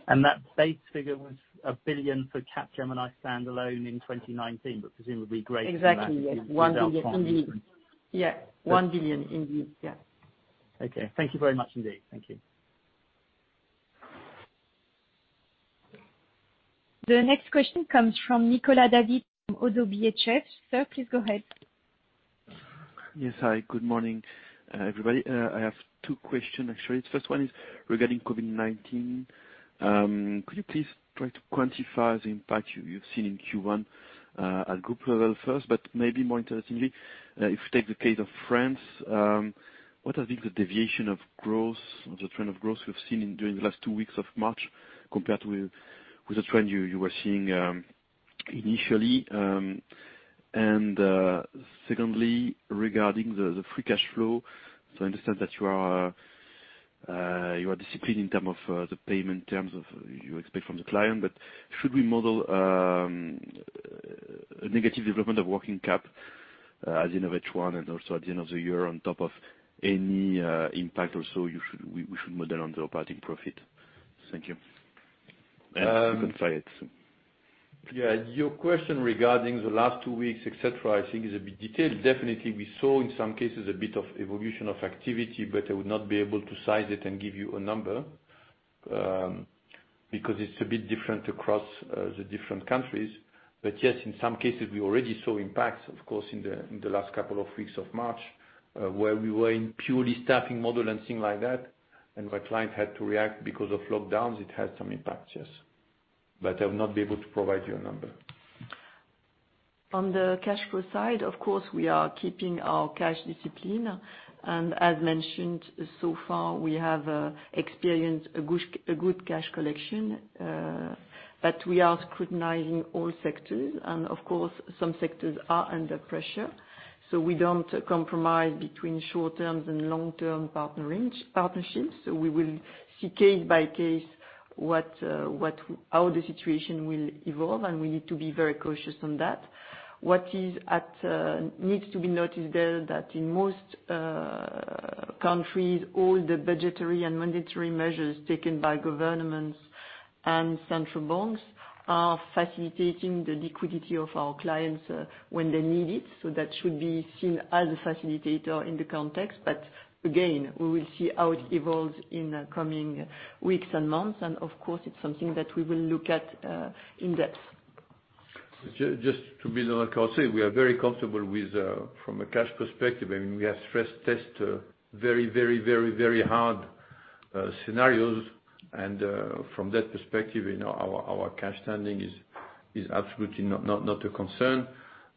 That base figure was 1 billion for Capgemini standalone in 2019, but presumably greater than that. Exactly. Yes. One billion. Yeah. One billion indeed. Yeah. Okay. Thank you very much indeed. Thank you. The next question comes from Nicolas David from ODDO BHF. Sir, please go ahead. Yes. Hi. Good morning, everybody. I have two questions, actually. The first one is regarding COVID-19. Could you please try to quantify the impact you've seen in Q1 at group level first? Maybe more interestingly, if we take the case of France, what has been the deviation of growth, of the trend of growth we've seen during the last two weeks of March compared with the trend you were seeing initially? Secondly, regarding the free cash flow, I understand that you are disciplined in terms of the payment terms you expect from the client, but should we model a negative development of working cap at the end of H1 and also at the end of the year on top of any impact or should we model on the operating profit? Thank you. You can fly it. Yeah. Your question regarding the last two weeks, etc., I think is a bit detailed. Definitely, we saw in some cases a bit of evolution of activity, but I would not be able to size it and give you a number because it is a bit different across the different countries. Yes, in some cases, we already saw impacts, of course, in the last couple of weeks of March where we were in purely staffing model and things like that, and my client had to react because of lockdowns. It had some impacts, yes. I will not be able to provide you a number. On the cash flow side, of course, we are keeping our cash discipline. As mentioned, so far, we have experienced a good cash collection, but we are scrutinizing all sectors. Of course, some sectors are under pressure. We do not compromise between short-term and long-term partnerships. We will see case by case how the situation will evolve, and we need to be very cautious on that. What needs to be noticed there is that in most countries, all the budgetary and monetary measures taken by governments and central banks are facilitating the liquidity of our clients when they need it. That should be seen as a facilitator in the context. Again, we will see how it evolves in the coming weeks and months. Of course, it is something that we will look at in depth. Just to build on what Carole said, we are very comfortable from a cash perspective. I mean, we have stress-tested very, very, very hard scenarios. From that perspective, our cash standing is absolutely not a concern.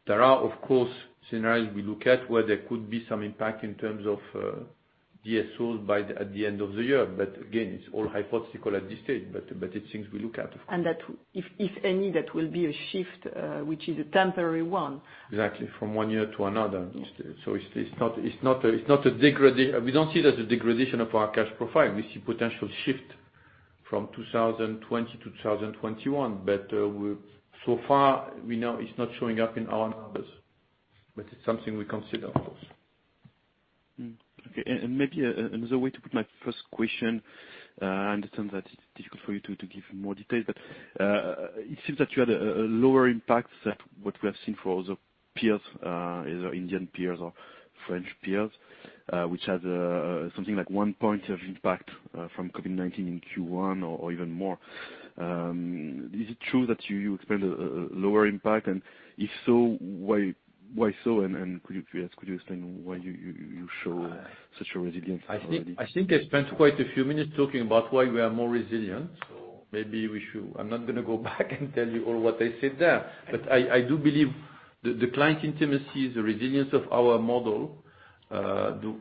There are, of course, scenarios we look at where there could be some impact in terms of DSOs by the end of the year. Again, it is all hypothetical at this stage, but it is things we look at, of course. If any, that will be a shift, which is a temporary one. Exactly. From one year to another. It is not a degradation. We do not see it as a degradation of our cash profile. We see potential shift from 2020 to 2021. So far, we know it is not showing up in our numbers, but it is something we consider, of course. Okay. Maybe another way to put my first question, I understand that it's difficult for you to give more details, but it seems that you had a lower impact than what we have seen for other peers, either Indian peers or French peers, which has something like one point of impact from COVID-19 in Q1 or even more. Is it true that you explained a lower impact? If so, why so? Could you explain why you show such a resilience? I think I spent quite a few minutes talking about why we are more resilient. Maybe we should—I'm not going to go back and tell you all what I said there. I do believe the client intimacy, the resilience of our model, the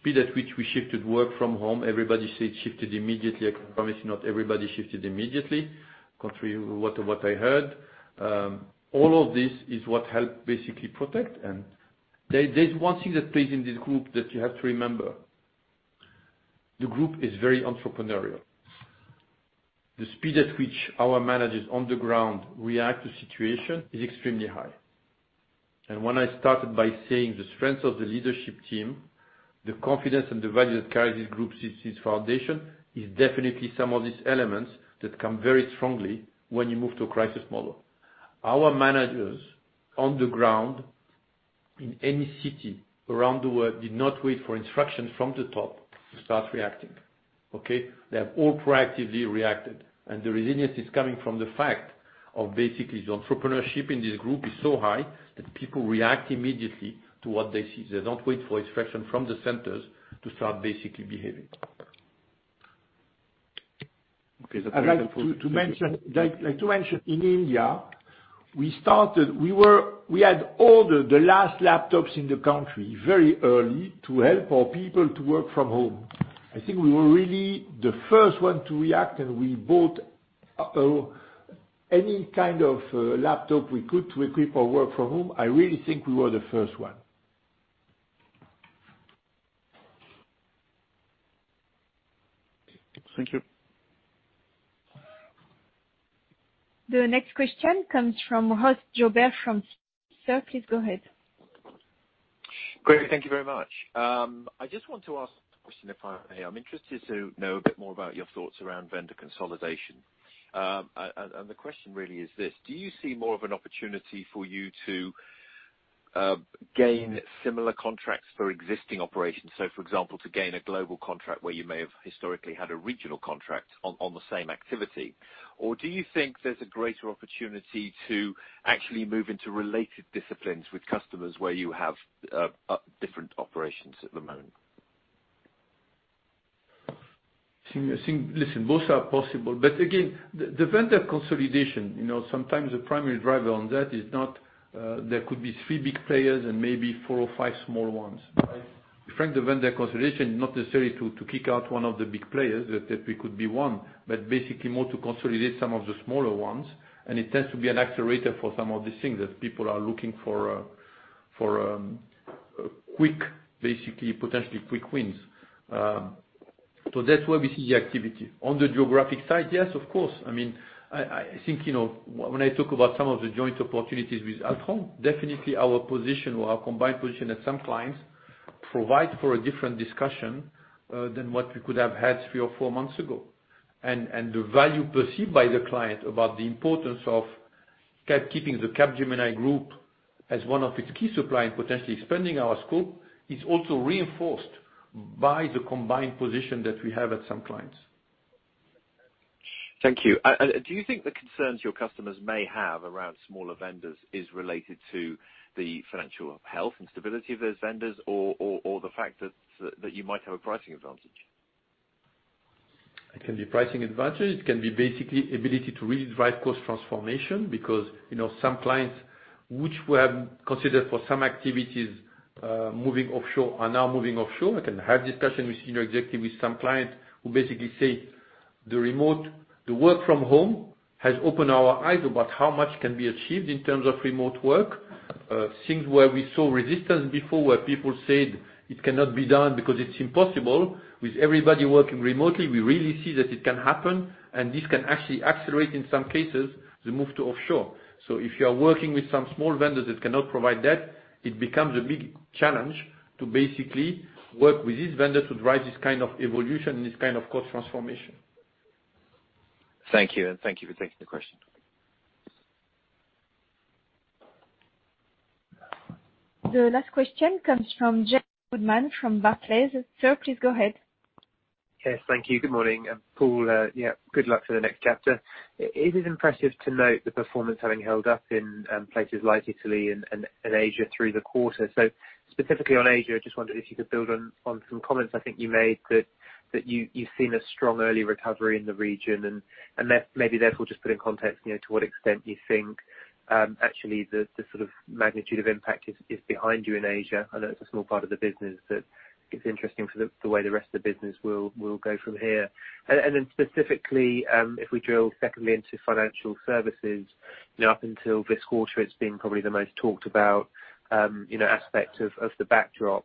speed at which we shifted work from home, everybody said it shifted immediately. I can promise you not everybody shifted immediately, contrary to what I heard. All of this is what helped basically protect. There is one thing that plays in this group that you have to remember. The group is very entrepreneurial. The speed at which our managers on the ground react to situations is extremely high. When I started by saying the strength of the leadership team, the confidence and the value that carries this group, this foundation, is definitely some of these elements that come very strongly when you move to a crisis model. Our managers on the ground in any city around the world did not wait for instructions from the top to start reacting, okay? They have all proactively reacted. The resilience is coming from the fact of basically the entrepreneurship in this group is so high that people react immediately to what they see. They do not wait for instructions from the centers to start basically behaving. Okay. That's helpful. To mention, in India, we had ordered the last laptops in the country very early to help our people to work from home. I think we were really the first one to react, and we bought any kind of laptop we could to equip our work from home. I really think we were the first one. Thank you. The next question comes from Ross Jobber from Citi. Sir, please go ahead. Great. Thank you very much. I just want to ask a question if I may. I'm interested to know a bit more about your thoughts around vendor consolidation. The question really is this: do you see more of an opportunity for you to gain similar contracts for existing operations? For example, to gain a global contract where you may have historically had a regional contract on the same activity. Or do you think there's a greater opportunity to actually move into related disciplines with customers where you have different operations at the moment? Listen, both are possible. Again, the vendor consolidation, sometimes the primary driver on that is not there could be three big players and maybe four or five small ones. In fact, the vendor consolidation is not necessarily to kick out one of the big players, that we could be one, but basically more to consolidate some of the smaller ones. It tends to be an accelerator for some of these things that people are looking for, basically potentially quick wins. That is where we see the activity. On the geographic side, yes, of course. I mean, I think when I talk about some of the joint opportunities with Altran, definitely our position or our combined position at some clients provides for a different discussion than what we could have had three or four months ago. The value perceived by the client about the importance of keeping the Capgemini group as one of its key suppliers and potentially expanding our scope is also reinforced by the combined position that we have at some clients. Thank you. Do you think the concerns your customers may have around smaller vendors is related to the financial health and stability of those vendors or the fact that you might have a pricing advantage? It can be a pricing advantage. It can be basically the ability to really drive cost transformation because some clients which were considered for some activities moving offshore are now moving offshore. I can have discussions with senior executives with some clients who basically say the remote work from home has opened our eyes about how much can be achieved in terms of remote work. Things where we saw resistance before where people said it cannot be done because it's impossible. With everybody working remotely, we really see that it can happen, and this can actually accelerate in some cases the move to offshore. If you are working with some small vendors that cannot provide that, it becomes a big challenge to basically work with these vendors to drive this kind of evolution and this kind of cost transformation. Thank you. Thank you for taking the question. The last question comes from James Goodman from Barclays. Sir, please go ahead. Yes. Thank you. Good morning. Paul, yeah, good luck for the next chapter. It is impressive to note the performance having held up in places like Italy and Asia through the quarter. Specifically on Asia, I just wondered if you could build on some comments I think you made that you've seen a strong early recovery in the region. Maybe therefore just put in context to what extent you think actually the sort of magnitude of impact is behind you in Asia. I know it's a small part of the business, but it's interesting for the way the rest of the business will go from here. Specifically, if we drill secondly into financial services, up until this quarter, it's been probably the most talked about aspect of the backdrop.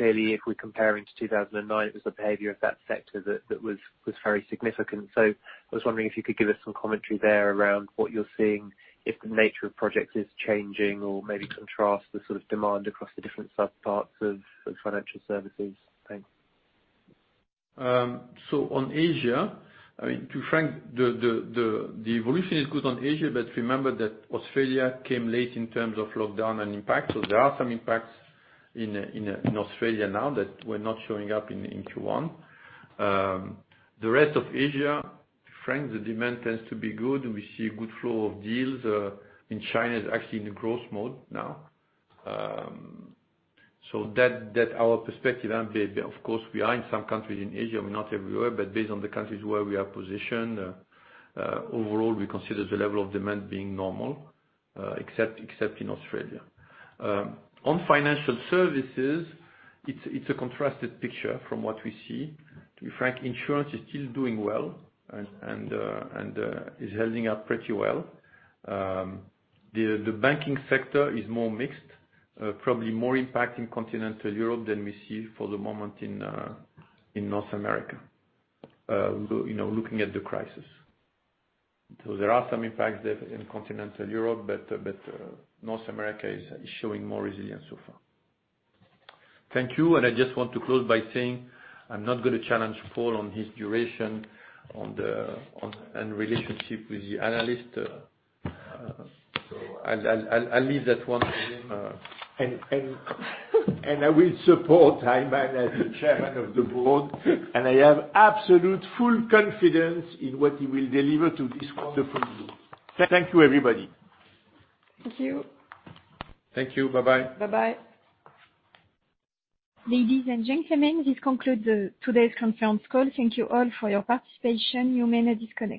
If we're comparing to 2009, it was the behavior of that sector that was very significant. I was wondering if you could give us some commentary there around what you're seeing, if the nature of projects is changing, or maybe contrast the sort of demand across the different subparts of financial services. Thanks. On Asia, I mean, to Frank, the evolution is good on Asia, but remember that Australia came late in terms of lockdown and impact. There are some impacts in Australia now that were not showing up in Q1. The rest of Asia, Frank, the demand tends to be good. We see a good flow of deals. China is actually in the growth mode now. That is our perspective. Of course, we are in some countries in Asia. We are not everywhere, but based on the countries where we are positioned, overall, we consider the level of demand being normal, except in Australia. On financial services, it is a contrasted picture from what we see. To be frank, insurance is still doing well and is holding up pretty well. The banking sector is more mixed, probably more impacting continental Europe than we see for the moment in North America looking at the crisis. There are some impacts there in continental Europe, but North America is showing more resilience so far. Thank you. I just want to close by saying I'm not going to challenge Paul on his duration and relationship with the analyst. I'll leave that one for him. I will support him as the chairman of the board. I have absolute full confidence in what he will deliver to this wonderful group. Thank you, everybody. Thank you. Thank you. Bye-bye. Bye-bye. Ladies and gentlemen, this concludes today's conference call. Thank you all for your participation. You may now disconnect.